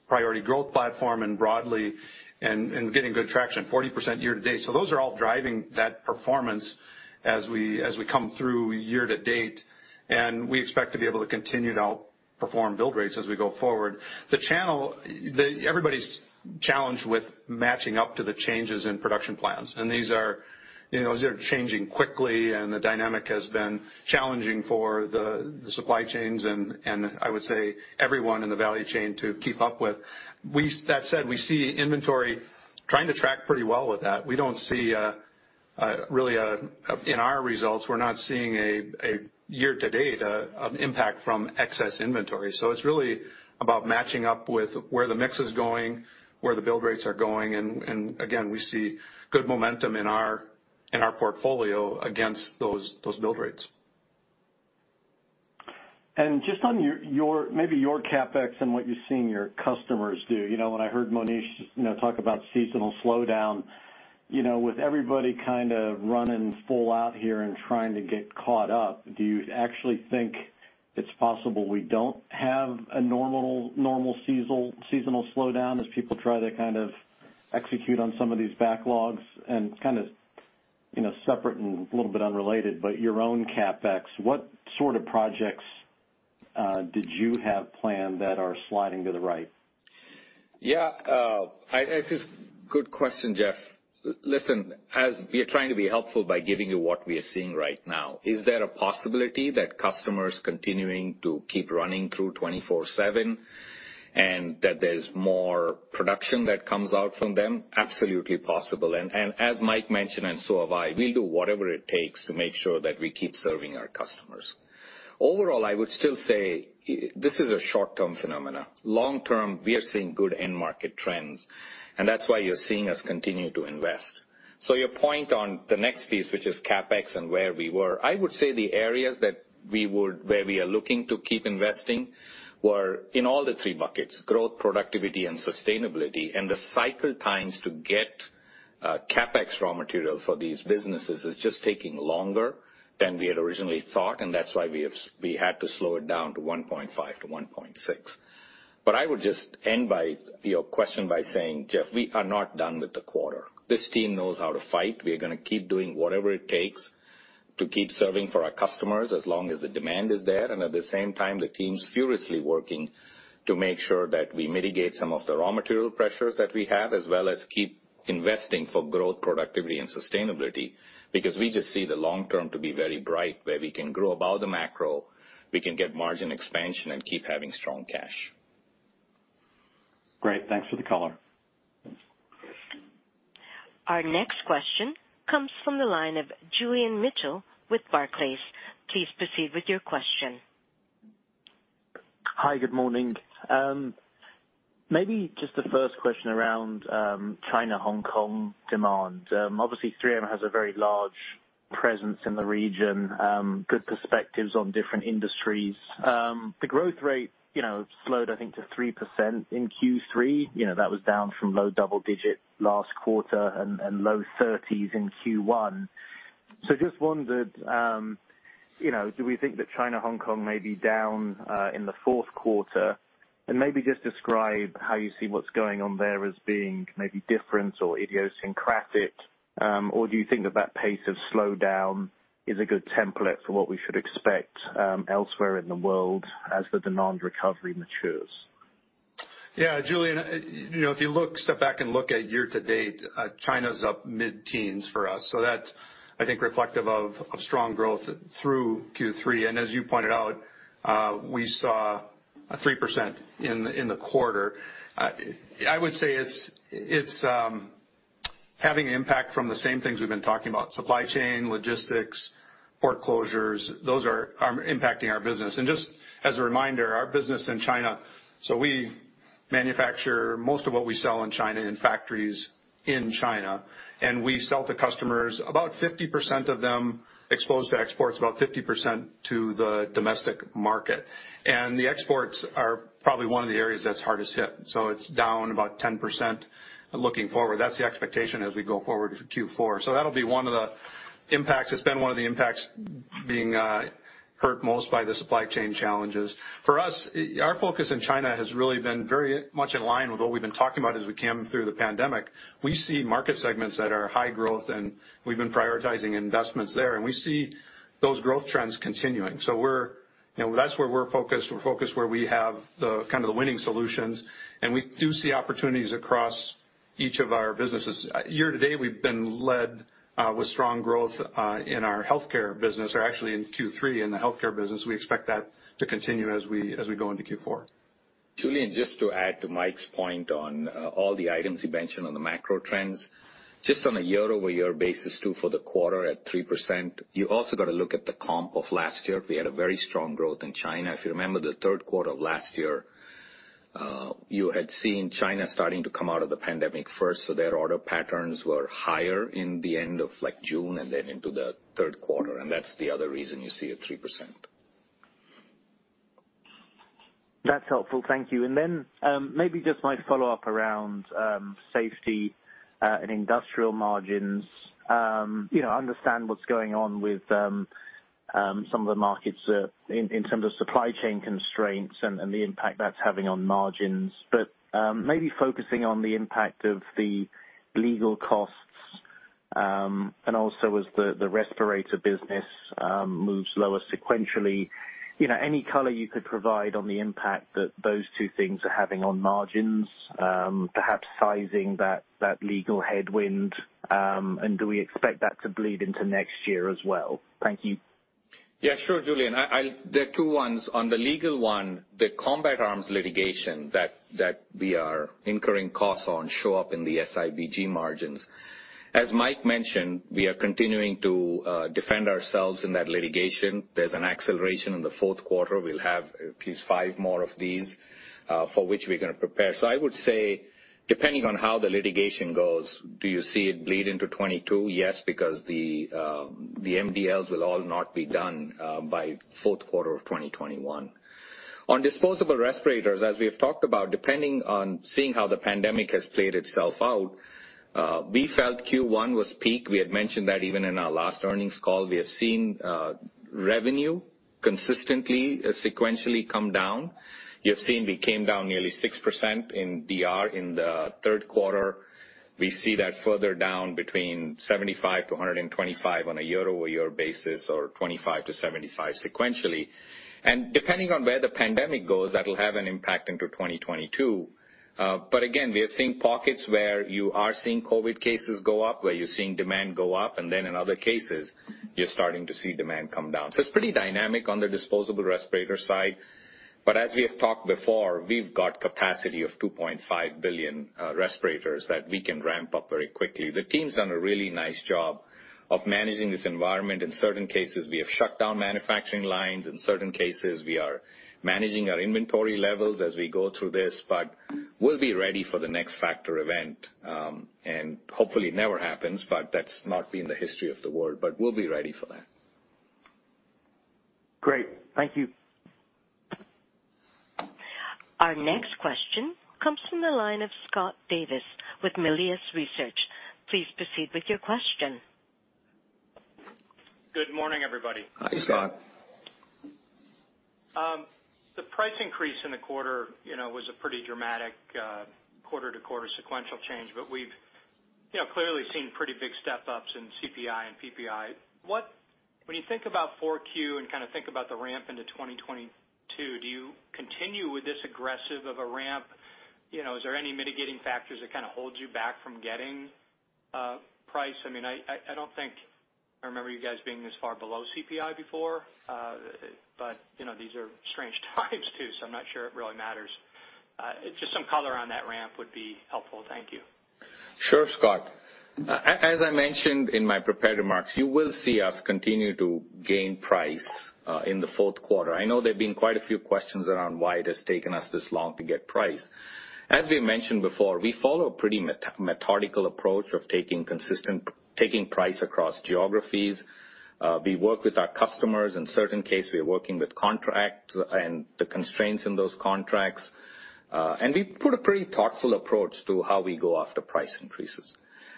priority growth platform and broadly, getting good traction 40% year to date. Those are all driving that performance as we come through year to date, and we expect to be able to continue to outperform build rates as we go forward. Everybody's challenged with matching up to the changes in production plans, and these are changing quickly, and the dynamic has been challenging for the supply chains and I would say everyone in the value chain to keep up with. That said, we see inventory trying to track pretty well with that. We don't see really. In our results, we're not seeing a year to date impact from excess inventory. It's really about matching up with where the mix is going, where the build rates are going, and again, we see good momentum in our portfolio against those build rates. Just on maybe your CapEx and what you're seeing your customers do. You know, when I heard Monish you know talk about seasonal slowdown you know with everybody kind of running full out here and trying to get caught up, do you actually think it's possible we don't have a normal seasonal slowdown as people try to kind of execute on some of these backlogs? Kind of you know separate and a little bit unrelated, but your own CapEx, what sort of projects did you have planned that are sliding to the right? This is a good question, Jeff. Listen, as we are trying to be helpful by giving you what we are seeing right now, is there a possibility that customers continuing to keep running 24/7 and that there's more production that comes out from them? Absolutely possible. As Mike mentioned and so have I, we'll do whatever it takes to make sure that we keep serving our customers. Overall, I would still say this is a short-term phenomenon. Long-term, we are seeing good end market trends, and that's why you're seeing us continue to invest. Your point on the next piece, which is CapEx and where we were, I would say the areas where we are looking to keep investing were in all three buckets, growth, productivity and sustainability. The cycle times to get CapEx raw material for these businesses is just taking longer than we had originally thought, and that's why we had to slow it down to 1.5-1.6. I would just end your question by saying, Jeff, we are not done with the quarter. This team knows how to fight. We are gonna keep doing whatever it takes to keep serving for our customers as long as the demand is there. At the same time, the team's furiously working to make sure that we mitigate some of the raw material pressures that we have, as well as keep investing for growth, productivity, and sustainability. We just see the long term to be very bright, where we can grow above the macro, we can get margin expansion, and keep having strong cash. Great. Thanks for the color. Thanks. Our next question comes from the line of Julian Mitchell with Barclays. Please proceed with your question. Hi, good morning. Maybe just the first question around China/Hong Kong demand. Obviously, 3M has a very large presence in the region, good perspectives on different industries. The growth rate, you know, slowed, I think, to 3% in Q3. You know, that was down from low double-digit last quarter and low 30s in Q1. Just wondered, you know, do we think that China/Hong Kong may be down in the fourth quarter? Maybe just describe how you see what's going on there as being maybe different or idiosyncratic, or do you think that that pace of slowdown is a good template for what we should expect elsewhere in the world as the demand recovery matures? Yeah, Julian, you know, if you look step back and look at year to date, China's up mid-teens for us. That's, I think, reflective of strong growth through Q3. As you pointed out, we saw a 3% in the quarter. I would say it's having impact from the same things we've been talking about, supply chain, logistics, port closures. Those are impacting our business. Just as a reminder, our business in China, so we manufacture most of what we sell in China in factories in China, and we sell to customers, about 50% of them exposed to exports, about 50% to the domestic market. The exports are probably one of the areas that's hardest hit, so it's down about 10% looking forward. That's the expectation as we go forward for Q4. That'll be one of the impacts. It's been one of the impacts being hurt most by the supply chain challenges. For us, our focus in China has really been very much in line with what we've been talking about as we came through the pandemic. We see market segments that are high growth, and we've been prioritizing investments there, and we see those growth trends continuing. We're, you know, that's where we're focused. We're focused where we have the kind of the winning solutions, and we do see opportunities across each of our businesses. Year to date, we've been led with strong growth in our Health Care business or actually in Q3 in the Health Care business. We expect that to continue as we go into Q4. Julian, just to add to Mike's point on all the items you mentioned on the macro trends. Just on a year-over-year basis too, for the quarter at 3%, you also gotta look at the comp of last year. We had a very strong growth in China. If you remember the third quarter of last year, you had seen China starting to come out of the pandemic first, so their order patterns were higher in the end of, like, June and then into the third quarter, and that's the other reason you see a 3%. That's helpful. Thank you. Then, maybe just my follow-up around safety and industrial margins. You know, understand what's going on with some of the markets in terms of supply chain constraints and the impact that's having on margins. Maybe focusing on the impact of the legal costs and also as the respirator business moves lower sequentially. You know, any color you could provide on the impact that those two things are having on margins, perhaps sizing that legal headwind, and do we expect that to bleed into next year as well? Thank you. Yeah, sure, Julian. I'll there are two ones. On the legal one, the Combat Arms litigation that we are incurring costs on show up in the SIBG margins. As Mike mentioned, we are continuing to defend ourselves in that litigation. There's an acceleration in the fourth quarter. We'll have at least five more of these for which we're gonna prepare. I would say, depending on how the litigation goes, do you see it bleed into 2022? Yes, because the MDLs will all not be done by fourth quarter of 2021. On disposable respirators, as we have talked about, depending on seeing how the pandemic has played itself out, we felt Q1 was peak. We had mentioned that even in our last earnings call. We have seen revenue consistently sequentially come down. You have seen we came down nearly 6% in DR in the third quarter. We see that further down between 75-125 on a year-over-year basis or 25-75 sequentially. Depending on where the pandemic goes, that'll have an impact into 2022. Again, we are seeing pockets where you are seeing COVID cases go up, where you're seeing demand go up, and then in other cases, you're starting to see demand come down. It's pretty dynamic on the disposable respirator side. As we have talked before, we've got capacity of 2.5 billion respirators that we can ramp up very quickly. The team's done a really nice job of managing this environment. In certain cases, we have shut down manufacturing lines. In certain cases, we are managing our inventory levels as we go through this. We'll be ready for the next factor event, and hopefully it never happens, but that's not been the history of the world. We'll be ready for that. Great. Thank you. Our next question comes from the line of Scott Davis with Melius Research. Please proceed with your question. Good morning, everybody. Hi, Scott. The price increase in the quarter, you know, was a pretty dramatic quarter-to-quarter sequential change, but we've, you know, clearly seen pretty big step-ups in CPI and PPI. When you think about Q4 and kinda think about the ramp into 2022, do you continue with this aggressive of a ramp? You know, is there any mitigating factors that kinda hold you back from getting price? I mean, I don't think I remember you guys being this far below CPI before, but, you know, these are strange times too, so I'm not sure it really matters. Just some color on that ramp would be helpful. Thank you. Sure, Scott. As I mentioned in my prepared remarks, you will see us continue to gain price in the fourth quarter. I know there've been quite a few questions around why it has taken us this long to get price. As we mentioned before, we follow a pretty methodical approach of taking consistent price across geographies. We work with our customers. In certain case, we're working with contracts and the constraints in those contracts. We put a pretty thoughtful approach to how we go after price increases.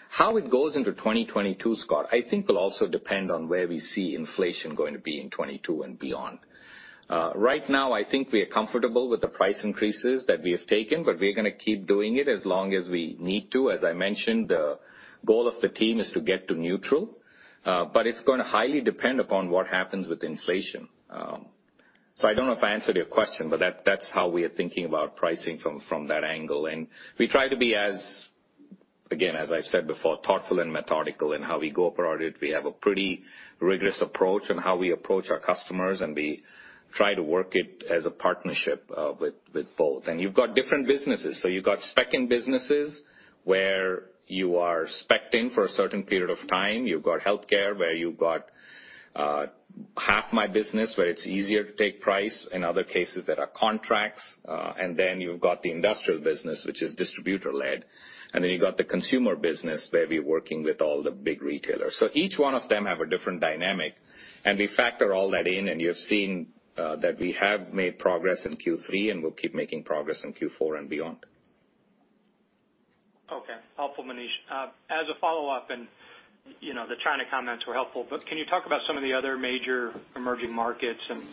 How it goes into 2022, Scott, I think will also depend on where we see inflation going to be in 2022 and beyond. Right now, I think we are comfortable with the price increases that we have taken, but we're gonna keep doing it as long as we need to. As I mentioned, the goal of the team is to get to neutral, but it's gonna highly depend upon what happens with inflation. So I don't know if I answered your question, but that's how we are thinking about pricing from that angle. We try to be as, again, as I've said before, thoughtful and methodical in how we go about it. We have a pretty rigorous approach on how we approach our customers, and we try to work it as a partnership with both. You've got different businesses. You've got spec-in businesses, where you are spec-ing for a certain period of time. You've got Healthcare, where you've got half my business, where it's easier to take price. In other cases, there are contracts. Then you've got the industrial business, which is distributor-led. You've got the consumer business, where we're working with all the big retailers. Each one of them have a different dynamic, and we factor all that in, and you've seen that we have made progress in Q3, and we'll keep making progress in Q4 and beyond. Okay. Helpful, Monish. As a follow-up, you know, the China comments were helpful, but can you talk about some of the other major emerging markets and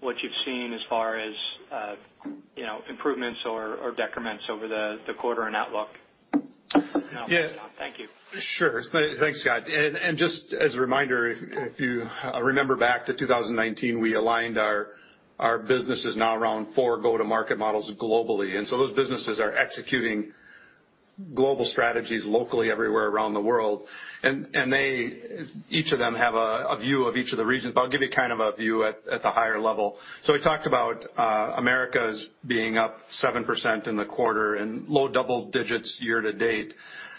what you've seen as far as, you know, improvements or decrements over the quarter and outlook? You know, thank you. Sure. Thanks, Scott. Just as a reminder, if you remember back to 2019, we aligned our businesses now around four go-to-market models globally. Those businesses are executing global strategies locally everywhere around the world. They each of them have a view of each of the regions, but I'll give you kind of a view at the higher level. We talked about Americas being up 7% in the quarter and low double digits year-to-date.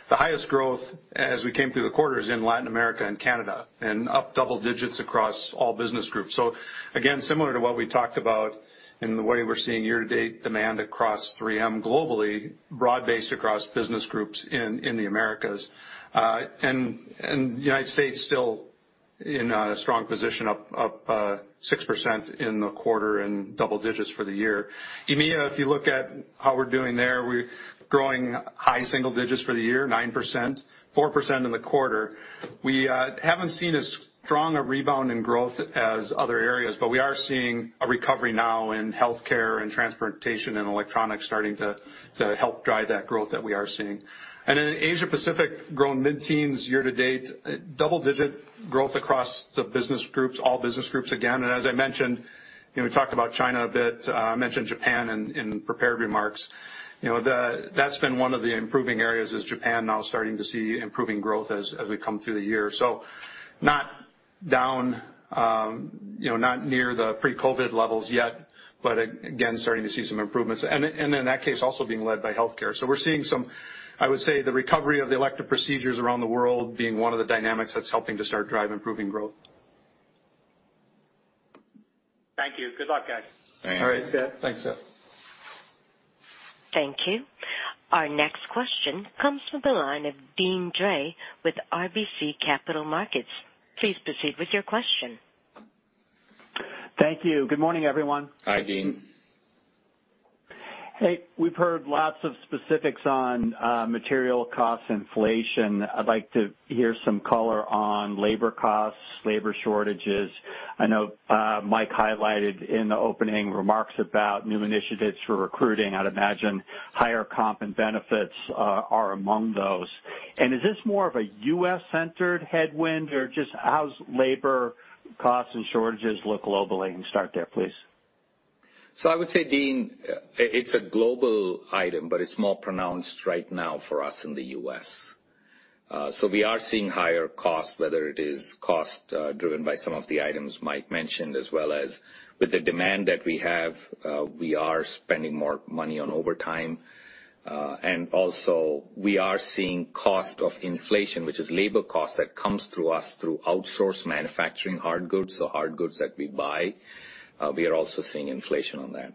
The highest growth as we came through the quarter is in Latin America and Canada, and up double digits across all business groups. Again, similar to what we talked about and the way we're seeing year-to-date demand across 3M globally, broad-based across business groups in the Americas. United States still in a strong position, up 6% in the quarter and double digits for the year. EMEA, if you look at how we're doing there, we're growing high single digits for the year, 9%, 4% in the quarter. We haven't seen as strong a rebound in growth as other areas, but we are seeing a recovery now in Healthcare and Transportation and Electronics starting to help drive that growth that we are seeing. In Asia Pacific, growing mid-teens year to date, double-digit growth across the business groups, all business groups again. As I mentioned, you know, we talked about China a bit. I mentioned Japan in prepared remarks. You know, that's been one of the improving areas is Japan now starting to see improving growth as we come through the year. not down, not near the pre-COVID levels yet, but again, starting to see some improvements. In that case, also being led by Healthcare. We're seeing some, I would say, the recovery of the elective procedures around the world being one of the dynamics that's helping to start drive improving growth. Thank you. Good luck, guys. Thanks. All right, Scott. Thanks, Scott. Thank you. Our next question comes from the line of Deane Dray with RBC Capital Markets. Please proceed with your question. Thank you. Good morning, everyone. Hi, Deane. We've heard lots of specifics on material costs inflation. I'd like to hear some color on labor costs, labor shortages. I know Mike highlighted in the opening remarks about new initiatives for recruiting. I'd imagine higher comp and benefits are among those. Is this more of a U.S.-centered headwind or just how's labor costs and shortages look globally? You can start there, please. I would say, Deane, it's a global item, but it's more pronounced right now for us in the U.S. We are seeing higher costs, whether it is cost driven by some of the items Mike mentioned, as well as with the demand that we have, we are spending more money on overtime. We are also seeing cost of inflation, which is labor cost that comes to us through outsourced manufacturing hard goods, so hard goods that we buy. We are also seeing inflation on that.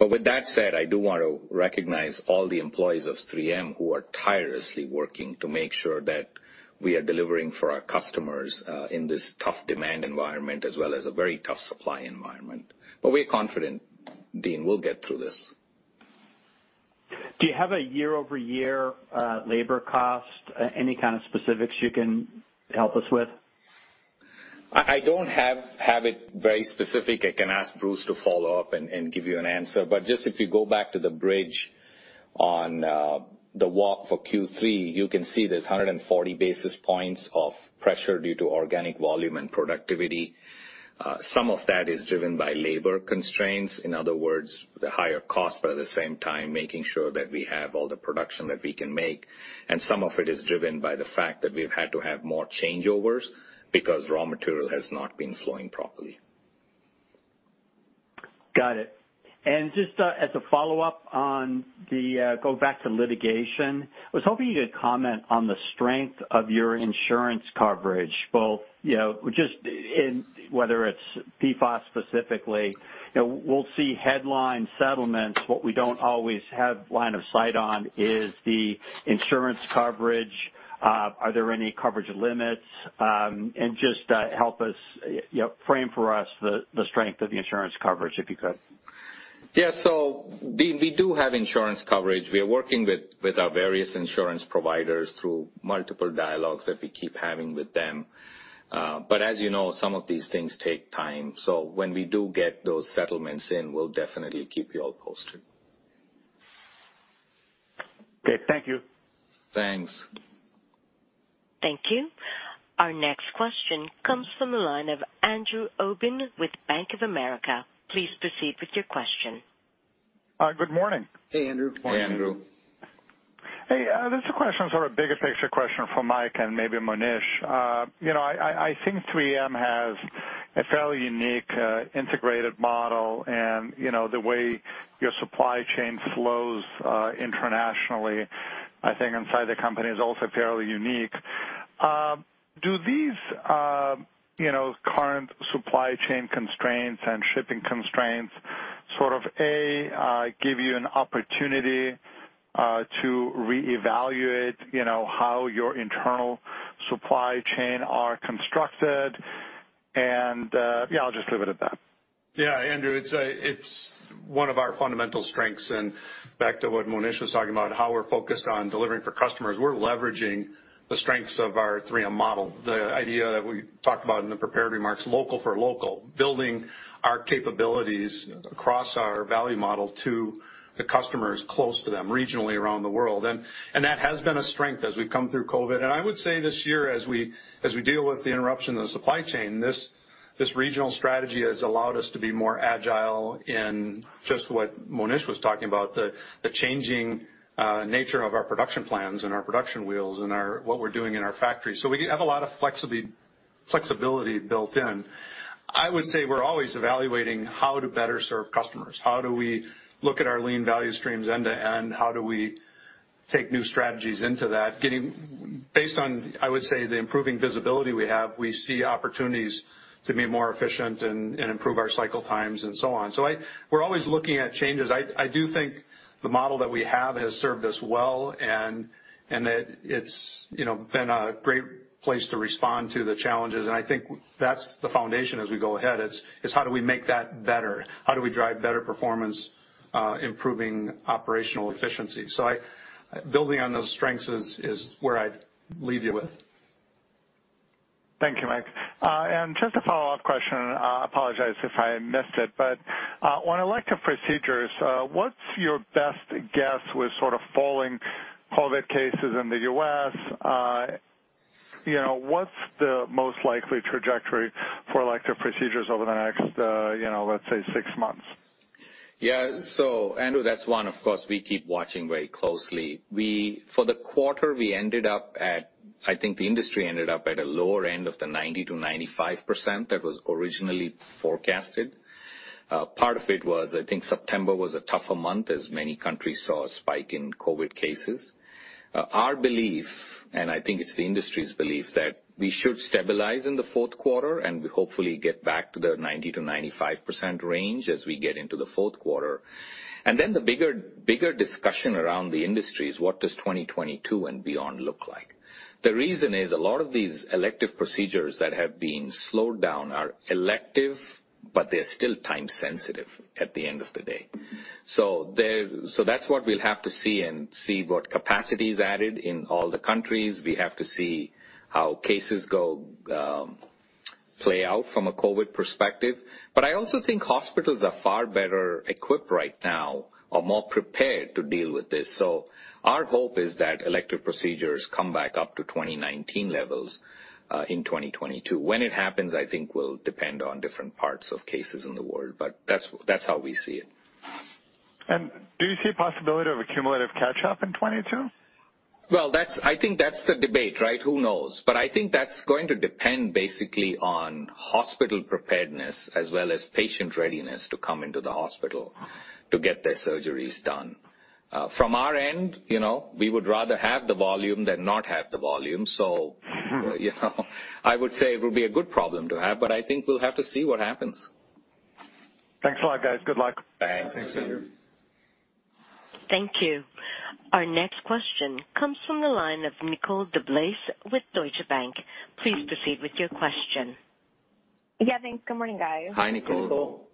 With that said, I do wanna recognize all the employees of 3M who are tirelessly working to make sure that we are delivering for our customers in this tough demand environment, as well as a very tough supply environment. We're confident, Deane, we'll get through this. Do you have a year-over-year, labor cost, any kind of specifics you can help us with? I don't have it very specific. I can ask Bruce to follow up and give you an answer. But just if you go back to the bridge on the walk for Q3, you can see there's 140 basis points of pressure due to organic volume and productivity. Some of that is driven by labor constraints. In other words, the higher cost, but at the same time, making sure that we have all the production that we can make. Some of it is driven by the fact that we've had to have more changeovers because raw material has not been flowing properly. Got it. Just as a follow-up on the go back to litigation. I was hoping you could comment on the strength of your insurance coverage, both, you know, just in whether it's PFOS specifically. You know, we'll see headline settlements, what we don't always have line of sight on is the insurance coverage. Are there any coverage limits? Just help us, you know, frame for us the strength of the insurance coverage, if you could. Yeah. Dean, we do have insurance coverage. We are working with our various insurance providers through multiple dialogues that we keep having with them. As you know, some of these things take time. When we do get those settlements in, we'll definitely keep you all posted. Okay, thank you. Thanks. Thank you. Our next question comes from the line of Andrew Obin with Bank of America. Please proceed with your question. Good morning. Hey, Andrew. Morning, Andrew. This is a question, sort of bigger picture question from Mike and maybe Monish. You know, I think 3M has a fairly unique integrated model and, you know, the way your supply chain flows internationally, I think inside the company is also fairly unique. Do these, you know, current supply chain constraints and shipping constraints sort of give you an opportunity to reevaluate, you know, how your internal supply chain are constructed? Yeah, I'll just leave it at that. Yeah, Andrew, it's one of our fundamental strengths. Back to what Monish was talking about, how we're focused on delivering for customers. We're leveraging the strengths of our 3M model. The idea that we talked about in the prepared remarks, local for local, building our capabilities across our value model to the customers close to them regionally around the world. That has been a strength as we've come through COVID. I would say this year, as we deal with the interruption of the supply chain, this regional strategy has allowed us to be more agile in just what Monish was talking about, the changing nature of our production plans and our production wheels and our what we're doing in our factory. We have a lot of flexibility built in. I would say we're always evaluating how to better serve customers. How do we look at our lean value streams end to end? How do we take new strategies into that, getting based on, I would say, the improving visibility we have? We see opportunities to be more efficient and improve our cycle times and so on. We're always looking at changes. I do think the model that we have has served us well, and it's, you know, been a great place to respond to the challenges. I think that's the foundation as we go ahead. Is how do we make that better? How do we drive better performance, improving operational efficiency? Building on those strengths is where I'd leave you with. Thank you, Mike. Just a follow-up question, I apologize if I missed it. On elective procedures, what's your best guess with sort of falling COVID cases in the U.S.? You know, what's the most likely trajectory for elective procedures over the next, you know, let's say six months? Andrew, that's one, of course, we keep watching very closely. For the quarter, we ended up at, I think the industry ended up at a lower end of the 90%-95% that was originally forecasted. Part of it was, I think September was a tougher month as many countries saw a spike in COVID cases. Our belief, and I think it's the industry's belief, that we should stabilize in the fourth quarter, and we hopefully get back to the 90%-95% range as we get into the fourth quarter. Then the bigger discussion around the industry is what does 2022 and beyond look like? The reason is a lot of these elective procedures that have been slowed down are elective, but they're still time sensitive at the end of the day. That's what we'll have to see and see what capacity is added in all the countries. We have to see how cases go, play out from a COVID perspective. I also think hospitals are far better equipped right now or more prepared to deal with this. Our hope is that elective procedures come back up to 2019 levels in 2022. When it happens, I think it will depend on different parts of cases in the world, but that's how we see it. Do you see a possibility of a cumulative catch-up in 2022? Well, that's. I think that's the debate, right? Who knows? I think that's going to depend basically on hospital preparedness as well as patient readiness to come into the hospital to get their surgeries done. From our end, you know, we would rather have the volume than not have the volume. You know, I would say it would be a good problem to have, but I think we'll have to see what happens. Thanks a lot, guys. Good luck. Thanks. Thanks, Andrew. Thank you. Our next question comes from the line of Nicole DeBlase with Deutsche Bank. Please proceed with your question. Yeah, thanks. Good morning, guys. Hi, Nicole.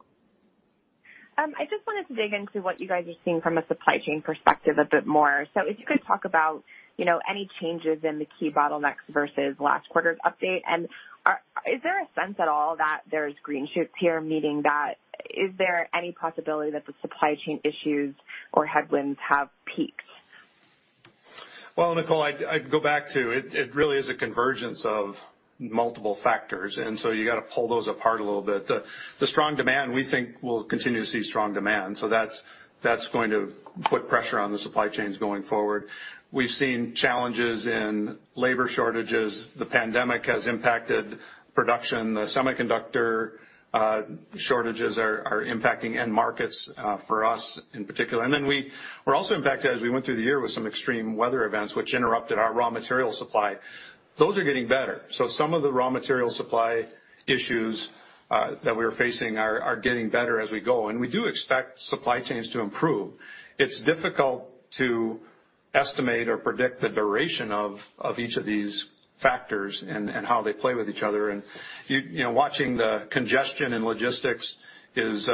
I just wanted to dig into what you guys are seeing from a supply chain perspective a bit more. If you could talk about, you know, any changes in the key bottlenecks versus last quarter's update, and is there a sense at all that there's green shoots here, meaning that is there any possibility that the supply chain issues or headwinds have peaked? Well, Nicole, I'd go back to it really is a convergence of multiple factors, and so you got to pull those apart a little bit. The strong demand, we think we'll continue to see strong demand. That's going to put pressure on the supply chains going forward. We've seen challenges in labor shortages. The pandemic has impacted production. The semiconductor shortages are impacting end markets for us in particular. We were also impacted as we went through the year with some extreme weather events, which interrupted our raw material supply. Those are getting better. Some of the raw material supply issues that we are facing are getting better as we go. We do expect supply chains to improve. It's difficult to estimate or predict the duration of each of these factors and how they play with each other. You know, watching the congestion in logistics is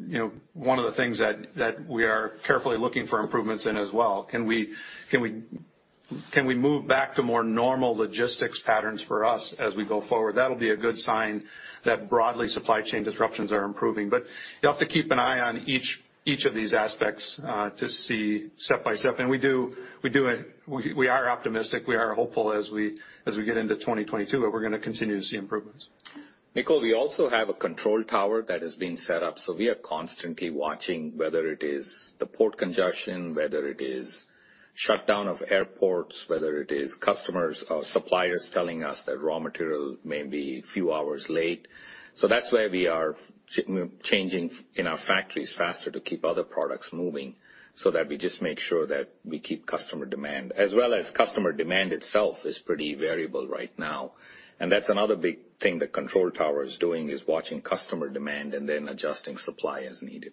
you know, one of the things that we are carefully looking for improvements in as well. Can we move back to more normal logistics patterns for us as we go forward? That'll be a good sign that broadly supply chain disruptions are improving. You have to keep an eye on each of these aspects to see step-by-step. We do it. We are optimistic. We are hopeful as we get into 2022 that we're gonna continue to see improvements. Nicole, we also have a control tower that has been set up, so we are constantly watching whether it is the port congestion, whether it is shutdown of airports, whether it is customers or suppliers telling us that raw material may be a few hours late. That's why we are changing in our factories faster to keep other products moving so that we just make sure that we keep customer demand. As well as customer demand itself is pretty variable right now. That's another big thing the control tower is doing, is watching customer demand and then adjusting supply as needed.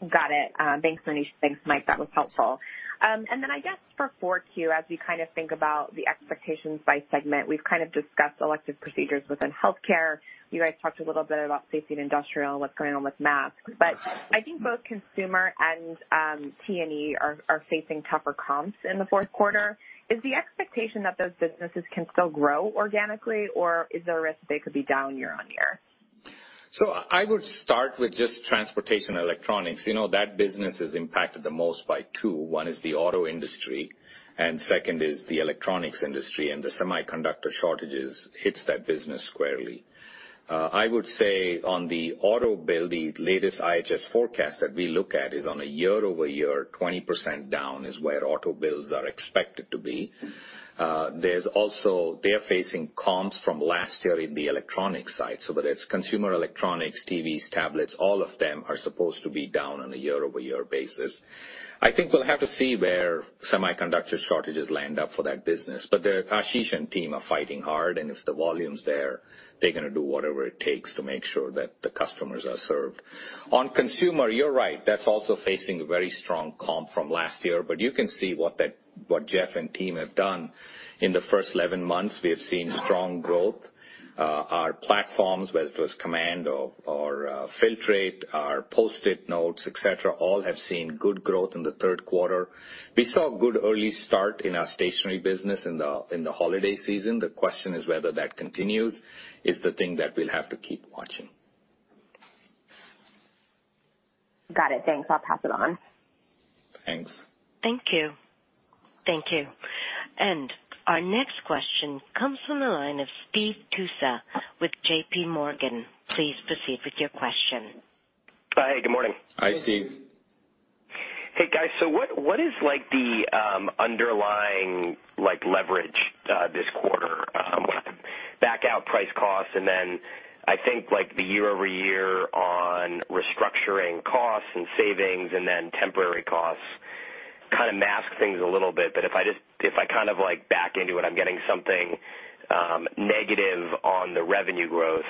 Got it. Thanks, Monish. Thanks, Mike. That was helpful. I guess for 4Q, as we kind of think about the expectations by segment, we've kind of discussed elective procedures within Healthcare. You guys talked a little bit about Safety and Industrial and what's going on with masks. I think both Consumer and T&E are facing tougher comps in the fourth quarter. Is the expectation that those businesses can still grow organically, or is there a risk that they could be down year-on-year? I would start with just Transportation and Electronics. You know that business is impacted the most by two. One is the auto industry, and second is the Electronics industry, and the semiconductor shortages hits that business squarely. I would say on the auto build, the latest IHS forecast that we look at is on a year-over-year 20% down is where auto builds are expected to be. There's also they're facing comps from last year in the electronic side, so whether it's consumer Electronics, TVs, tablets, all of them are supposed to be down on a year-over-year basis. I think we'll have to see where semiconductor shortages end up for that business. But they're Ashish and team are fighting hard, and if the volume's there, they're gonna do whatever it takes to make sure that the customers are served. On consumer, you're right. That's also facing a very strong comp from last year, but you can see what Jeff and team have done. In the first 11 months, we have seen strong growth. Our platforms, whether it was Command or Filtrete, our Post-it notes, et cetera, all have seen good growth in the third quarter. We saw good early start in our stationery business in the holiday season. The question is whether that continues is the thing that we'll have to keep watching. Got it. Thanks. I'll pass it on. Thanks. Thank you. Thank you. Our next question comes from the line of Steve Tusa with JPMorgan. Please proceed with your question. Hi. Good morning. Hi, Steve. Hey, guys. What is like the underlying, like, leverage this quarter with back out price costs? I think like the year-over-year on restructuring costs and savings and then temporary costs kind of mask things a little bit. If I kind of like back into it, I'm getting something negative on the revenue growth.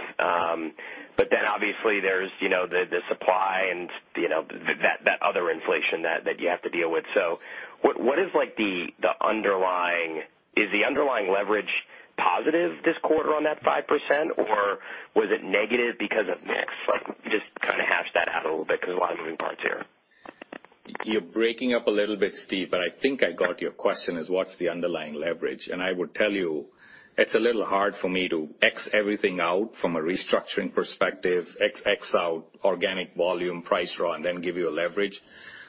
But then obviously there's, you know, the supply and, you know, that other inflation that you have to deal with. What is like the underlying. Is the underlying leverage positive this quarter on that 5%, or was it negative because of mix? Like, just kind of hash that out a little bit because there's a lot of moving parts here. You're breaking up a little bit, Steve, but I think I got your question, is what's the underlying leverage? I would tell you it's a little hard for me to net everything out from a restructuring perspective, net out organic volume, price raw, and then give you a leverage.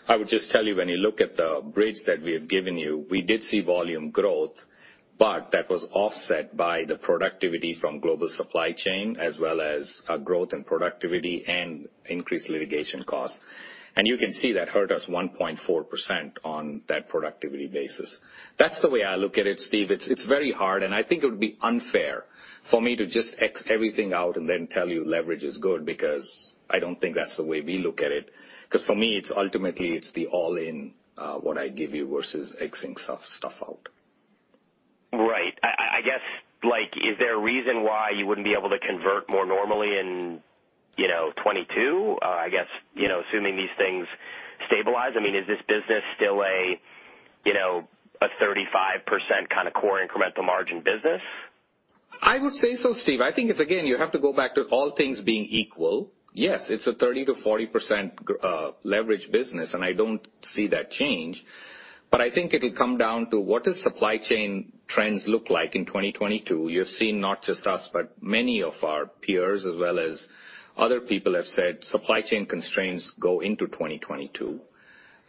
I would just tell you when you look at the bridge that we have given you, we did see volume growth, but that was offset by the productivity from global supply chain as well as growth and productivity and increased litigation costs. You can see that hurt us 1.4% on that productivity basis. That's the way I look at it, Steve. It's very hard, and I think it would be unfair for me to just X everything out and then tell you leverage is good, because I don't think that's the way we look at it. Because for me, it's ultimately the all-in, what I give you versus X-ing stuff out. Right. I guess, like, is there a reason why you wouldn't be able to convert more normally in, you know, 2022? I guess, you know, assuming these things stabilize. I mean, is this business still a, you know, a 35% kind of core incremental margin business? I would say so, Steve. I think it's, again, you have to go back to all things being equal. Yes, it's a 30%-40% leverage business, and I don't see that change. I think it'll come down to what does supply chain trends look like in 2022. You've seen not just us, but many of our peers as well as other people have said supply chain constraints go into 2022.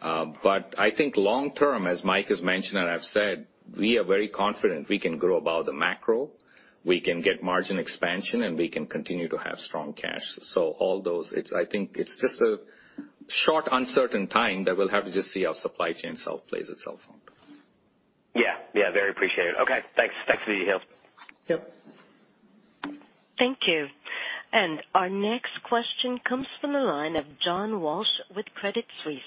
I think long term, as Mike has mentioned and I've said, we are very confident we can grow above the macro, we can get margin expansion, and we can continue to have strong cash. All those, it's a short, uncertain time that we'll have to just see how supply chain plays itself out. Yeah. Yeah, very appreciated. Okay, thanks. Thanks for the detail. Yep. Thank you. Our next question comes from the line of John Walsh with Credit Suisse.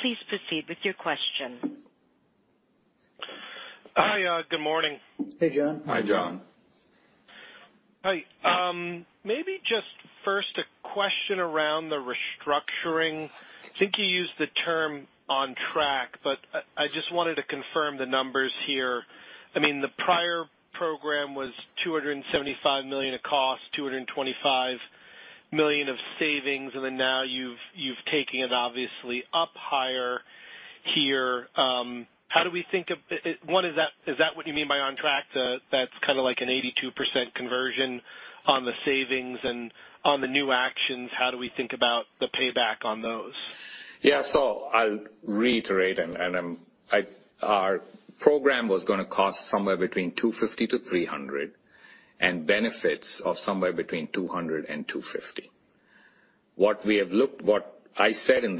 Please proceed with your question. Hi, good morning. Hey, John. Hi, John. Hi. Maybe just first a question around the restructuring. I think you used the term on track, but I just wanted to confirm the numbers here. I mean, the prior program was $275 million of cost, $225 million of savings, and then now you've taken it obviously up higher here. How do we think of one, is that what you mean by on track? That's kind of like an 82% conversion on the savings. On the new actions, how do we think about the payback on those? I'll reiterate. Our program was gonna cost somewhere between $250 million-$300 million, and benefits of somewhere between $200 million-$250 million. What I said in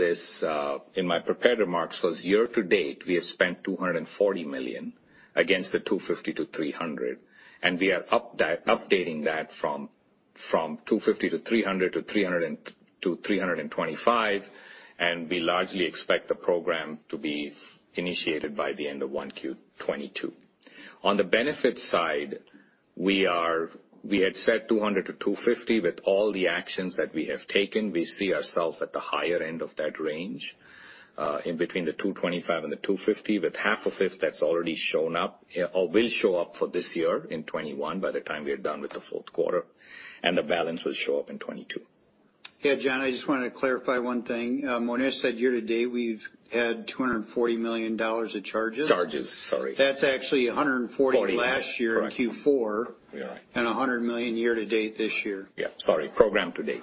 my prepared remarks was year to date, we have spent $240 million against the $250 million-$300 million, and we are updating that from $250 million-$300 million to $300 million-$325 million, and we largely expect the program to be initiated by the end of 1Q 2022. On the benefits side, we had said $200 million-$250 million. With all the actions that we have taken, we see ourselves at the higher end of that range, in between the $225 and the $250, with half of it that's already shown up, or will show up for this year in 2021 by the time we are done with the fourth quarter, and the balance will show up in 2022. Yeah, John, I just wanna clarify one thing. Monish said year to date, we've had $240 million of charges. Charges, sorry. That's actually $140 million Forty last year. Correct in Q4. You're right. $100 million year-to-date this year. Yeah, sorry. Program to date.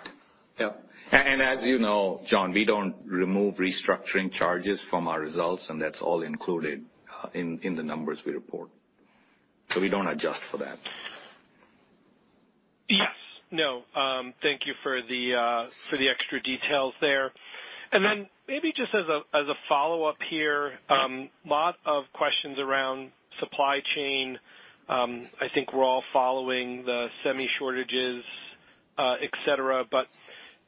Yep. As you know, John, we don't remove restructuring charges from our results, and that's all included in the numbers we report. We don't adjust for that. Yes. No, thank you for the extra details there. Maybe just as a follow-up here, lot of questions around supply chain. I think we're all following the semi shortages, et cetera.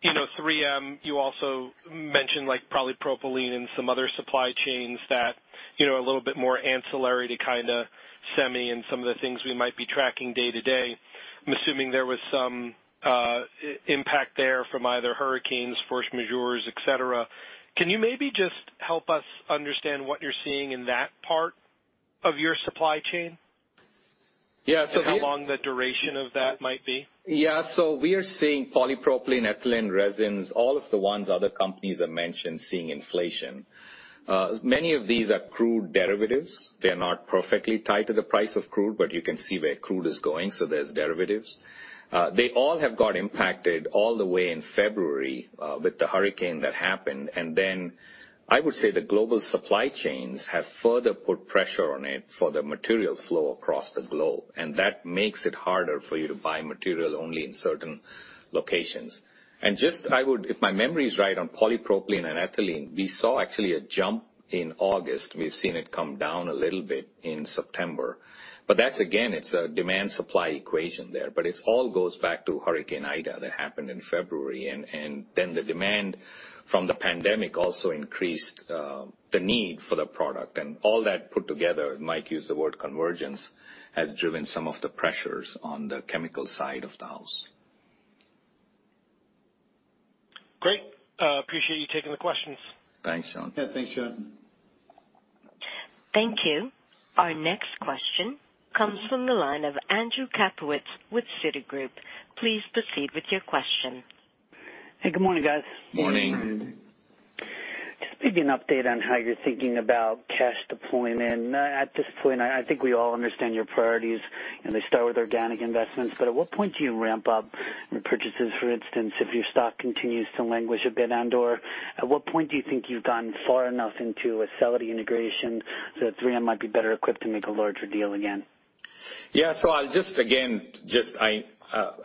You know, 3M, you also mentioned like polypropylene and some other supply chains that, you know, are a little bit more ancillary to kinda semi and some of the things we might be tracking day to day. I'm assuming there was some impact there from either hurricanes, force majeure, et cetera. Can you maybe just help us understand what you're seeing in that part of your supply chain? Yeah. How long the duration of that might be? Yeah. We are seeing polypropylene, ethylene resins, all of the ones other companies have mentioned seeing inflation. Many of these are crude derivatives. They're not perfectly tied to the price of crude, but you can see where crude is going, so there's derivatives. They all have got impacted all the way in February with the hurricane that happened. Then I would say the global supply chains have further put pressure on it for the material flow across the globe, and that makes it harder for you to buy material only in certain locations. Just I would, if my memory is right on polypropylene and ethylene, we saw actually a jump in August. We've seen it come down a little bit in September. That's, again, it's a demand supply equation there. It's all goes back to Hurricane Ida that happened in February and then the demand from the pandemic also increased the need for the product. All that put together, Mike used the word convergence, has driven some of the pressures on the chemical side of the house. Great. Appreciate you taking the questions. Thanks, John. Yeah, thanks, John. Thank you. Our next question comes from the line of Andrew Kaplowitz with Citigroup. Please proceed with your question. Hey, good morning, guys. Morning. Morning. Just maybe an update on how you're thinking about cash deployment. At this point, I think we all understand your priorities, and they start with organic investments. At what point do you ramp up repurchases, for instance, if your stock continues to languish a bit? At what point do you think you've gone far enough into Acelity integration so that 3M might be better equipped to make a larger deal again?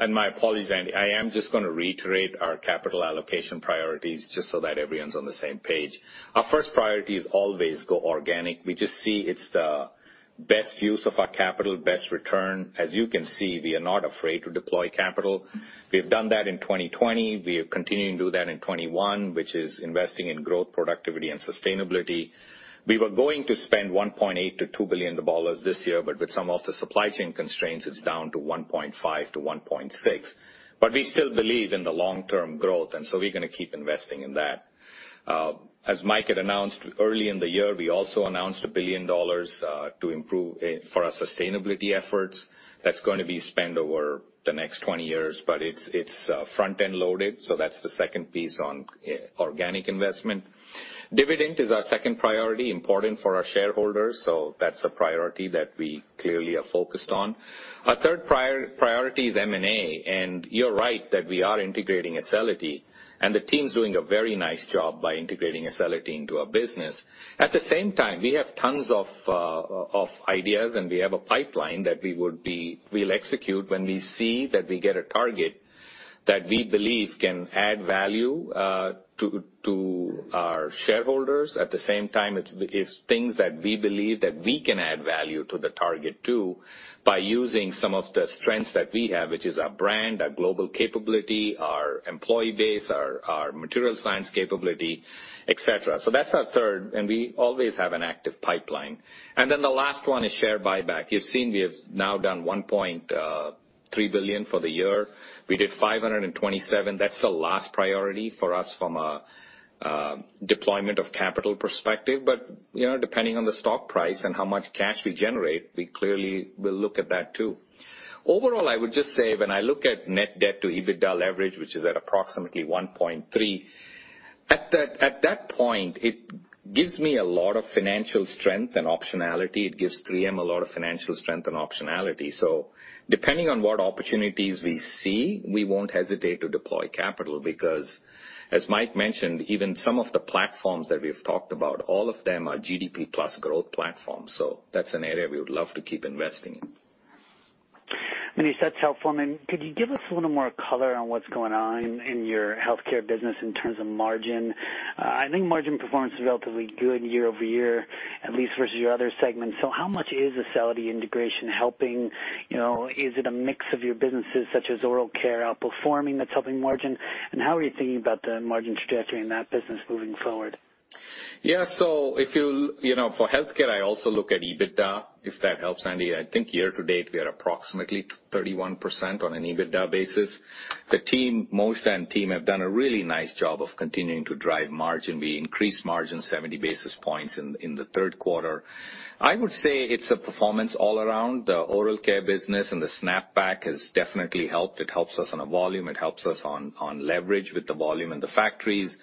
My apologies, Andy, I am just gonna reiterate our capital allocation priorities just so that everyone's on the same page. Our first priority is always go organic. We just see it's the best use of our capital, best return. As you can see, we are not afraid to deploy capital. We've done that in 2020. We are continuing to do that in 2021, which is investing in growth, productivity and sustainability. We were going to spend $1.8 billion-$2 billion this year, but with some of the supply chain constraints, it's down to $1.5 billion-$1.6 billion. We still believe in the long-term growth, and so we're gonna keep investing in that. As Mike had announced, early in the year, we also announced $1 billion to improve for our sustainability efforts. That's going to be spent over the next 20 years, but it's front-end loaded, so that's the second piece on organic investment. Dividend is our second priority, important for our shareholders, so that's a priority that we clearly are focused on. Our third priority is M&A. You're right that we are integrating Acelity, and the team's doing a very nice job by integrating Acelity into our business. At the same time, we have tons of ideas, and we have a pipeline that we'll execute when we see that we get a target that we believe can add value to our shareholders. At the same time, it's things that we believe that we can add value to the target too by using some of the strengths that we have, which is our brand, our global capability, our employee base, our material science capability, et cetera. That's our third, and we always have an active pipeline. Then the last one is share buyback. You've seen we have now done $1.3 billion for the year. We did $527 million. That's the last priority for us from a deployment of capital perspective. But you know, depending on the stock price and how much cash we generate, we clearly will look at that too. Overall, I would just say, when I look at net debt to EBITDA average, which is at approximately $1.3 billion, at that point, it gives me a lot of financial strength and optionality. It gives 3M a lot of financial strength and optionality. Depending on what opportunities we see, we won't hesitate to deploy capital because as Mike mentioned, even some of the platforms that we've talked about, all of them are GDP plus growth platforms. That's an area we would love to keep investing in. Monish, that's helpful. Could you give us a little more color on what's going on in your Healthcare business in terms of margin? I think margin performance is relatively good year-over-year, at least versus your other segments. How much is Acelity integration helping? You know, is it a mix of your businesses such as oral care outperforming that's helping margin? How are you thinking about the margin trajectory in that business moving forward? Yeah. If you'll, you know, for Healthcare, I also look at EBITDA, if that helps, Andy. I think year to date we are approximately 31% on an EBITDA basis. The team, Mojdeh Poul and team have done a really nice job of continuing to drive margin. We increased margin 70 basis points in the third quarter. I would say it's a performance all around. The oral care business and the SnapBack has definitely helped. It helps us on a volume, it helps us on leverage with the volume in the factories.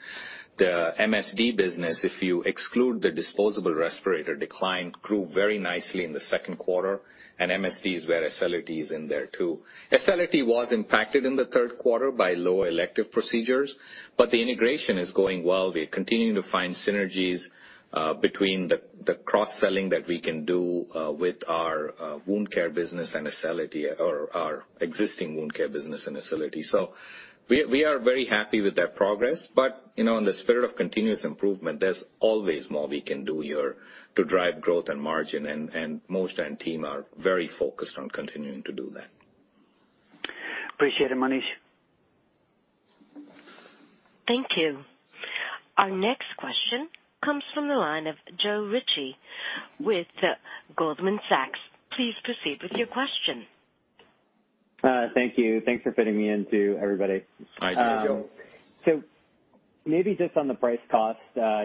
The MSD business, if you exclude the disposable respirator decline, grew very nicely in the second quarter, and MSD is where Acelity is in there too. Acelity was impacted in the third quarter by lower elective procedures, but the integration is going well. We're continuing to find synergies between the cross-selling that we can do with our wound care business and Acelity or our existing wound care business and Acelity. We are very happy with that progress. You know, in the spirit of continuous improvement, there's always more we can do here to drive growth and margin. Mojdeh and team are very focused on continuing to do that. appreciate it, Monish. Thank you. Our next question comes from the line of Joe Ritchie with Goldman Sachs. Please proceed with your question. Thank you. Thanks for fitting me in too, everybody. Hi, Joe. Maybe just on the price cost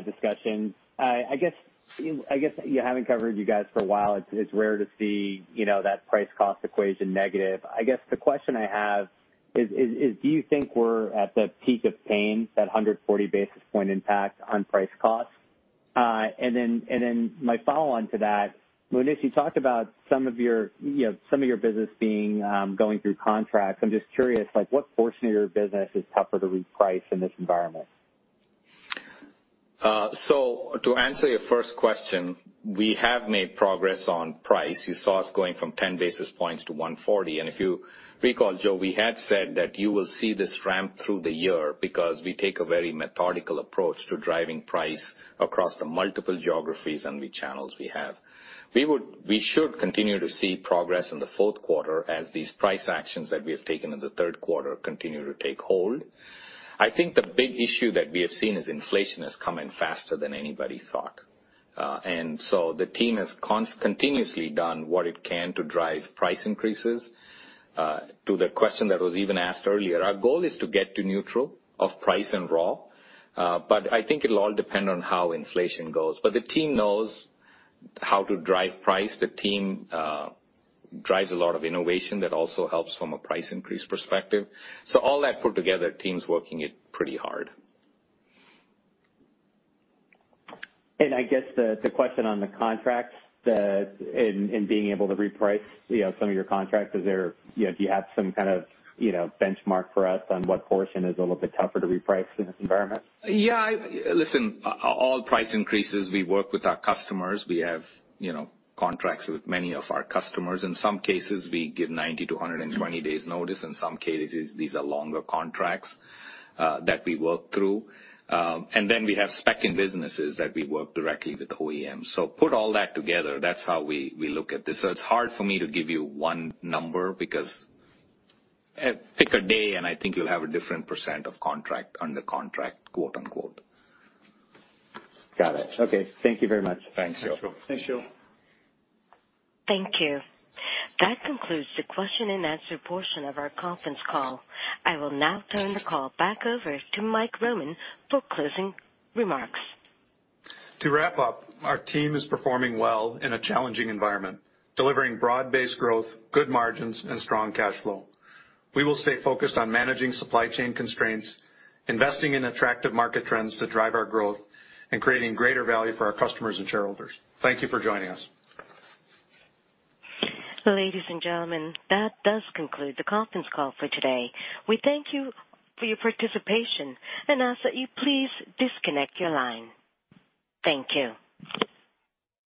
discussion. I guess, you know, having covered you guys for a while, it's rare to see, you know, that price cost equation negative. I guess the question I have is do you think we're at the peak of pain, that 140 basis point impact on price cost? And then my follow-on to that, Monish, you talked about some of your, you know, some of your business being going through contracts. I'm just curious, like, what portion of your business is tougher to reprice in this environment? To answer your first question, we have made progress on price. You saw us going from 10 basis points to 140 basis points. If you recall, Joe, we had said that you will see this ramp through the year because we take a very methodical approach to driving price across the multiple geographies and the channels we have. We should continue to see progress in the fourth quarter as these price actions that we have taken in the third quarter continue to take hold. I think the big issue that we have seen is inflation has come in faster than anybody thought. The team has continuously done what it can to drive price increases. To the question that was even asked earlier, our goal is to get to neutral of price and raw. I think it'll all depend on how inflation goes. The team knows how to drive price. The team drives a lot of innovation that also helps from a price increase perspective. All that put together, team's working it pretty hard. I guess the question on the contracts and being able to reprice, you know, some of your contracts. Do you have some kind of, you know, benchmark for us on what portion is a little bit tougher to reprice in this environment? Listen, all price increases, we work with our customers. We have, you know, contracts with many of our customers. In some cases, we give 90-120 days notice. In some cases, these are longer contracts that we work through. Then we have spec-in businesses that we work directly with the OEMs. Put all that together, that's how we look at this. It's hard for me to give you one number because pick a day, and I think you'll have a different percent of contract under contract, quote, unquote. Got it. Okay. Thank you very much. Thanks, Joe. Thanks, Joe. Thank you. That concludes the question and answer portion of our conference call. I will now turn the call back over to Mike Roman for closing remarks. To wrap up, our team is performing well in a challenging environment, delivering broad-based growth, good margins, and strong cash flow. We will stay focused on managing supply chain constraints, investing in attractive market trends to drive our growth, and creating greater value for our customers and shareholders. Thank you for joining us. Ladies and gentlemen, that does conclude the conference call for today. We thank you for your participation and ask that you please disconnect your line. Thank you.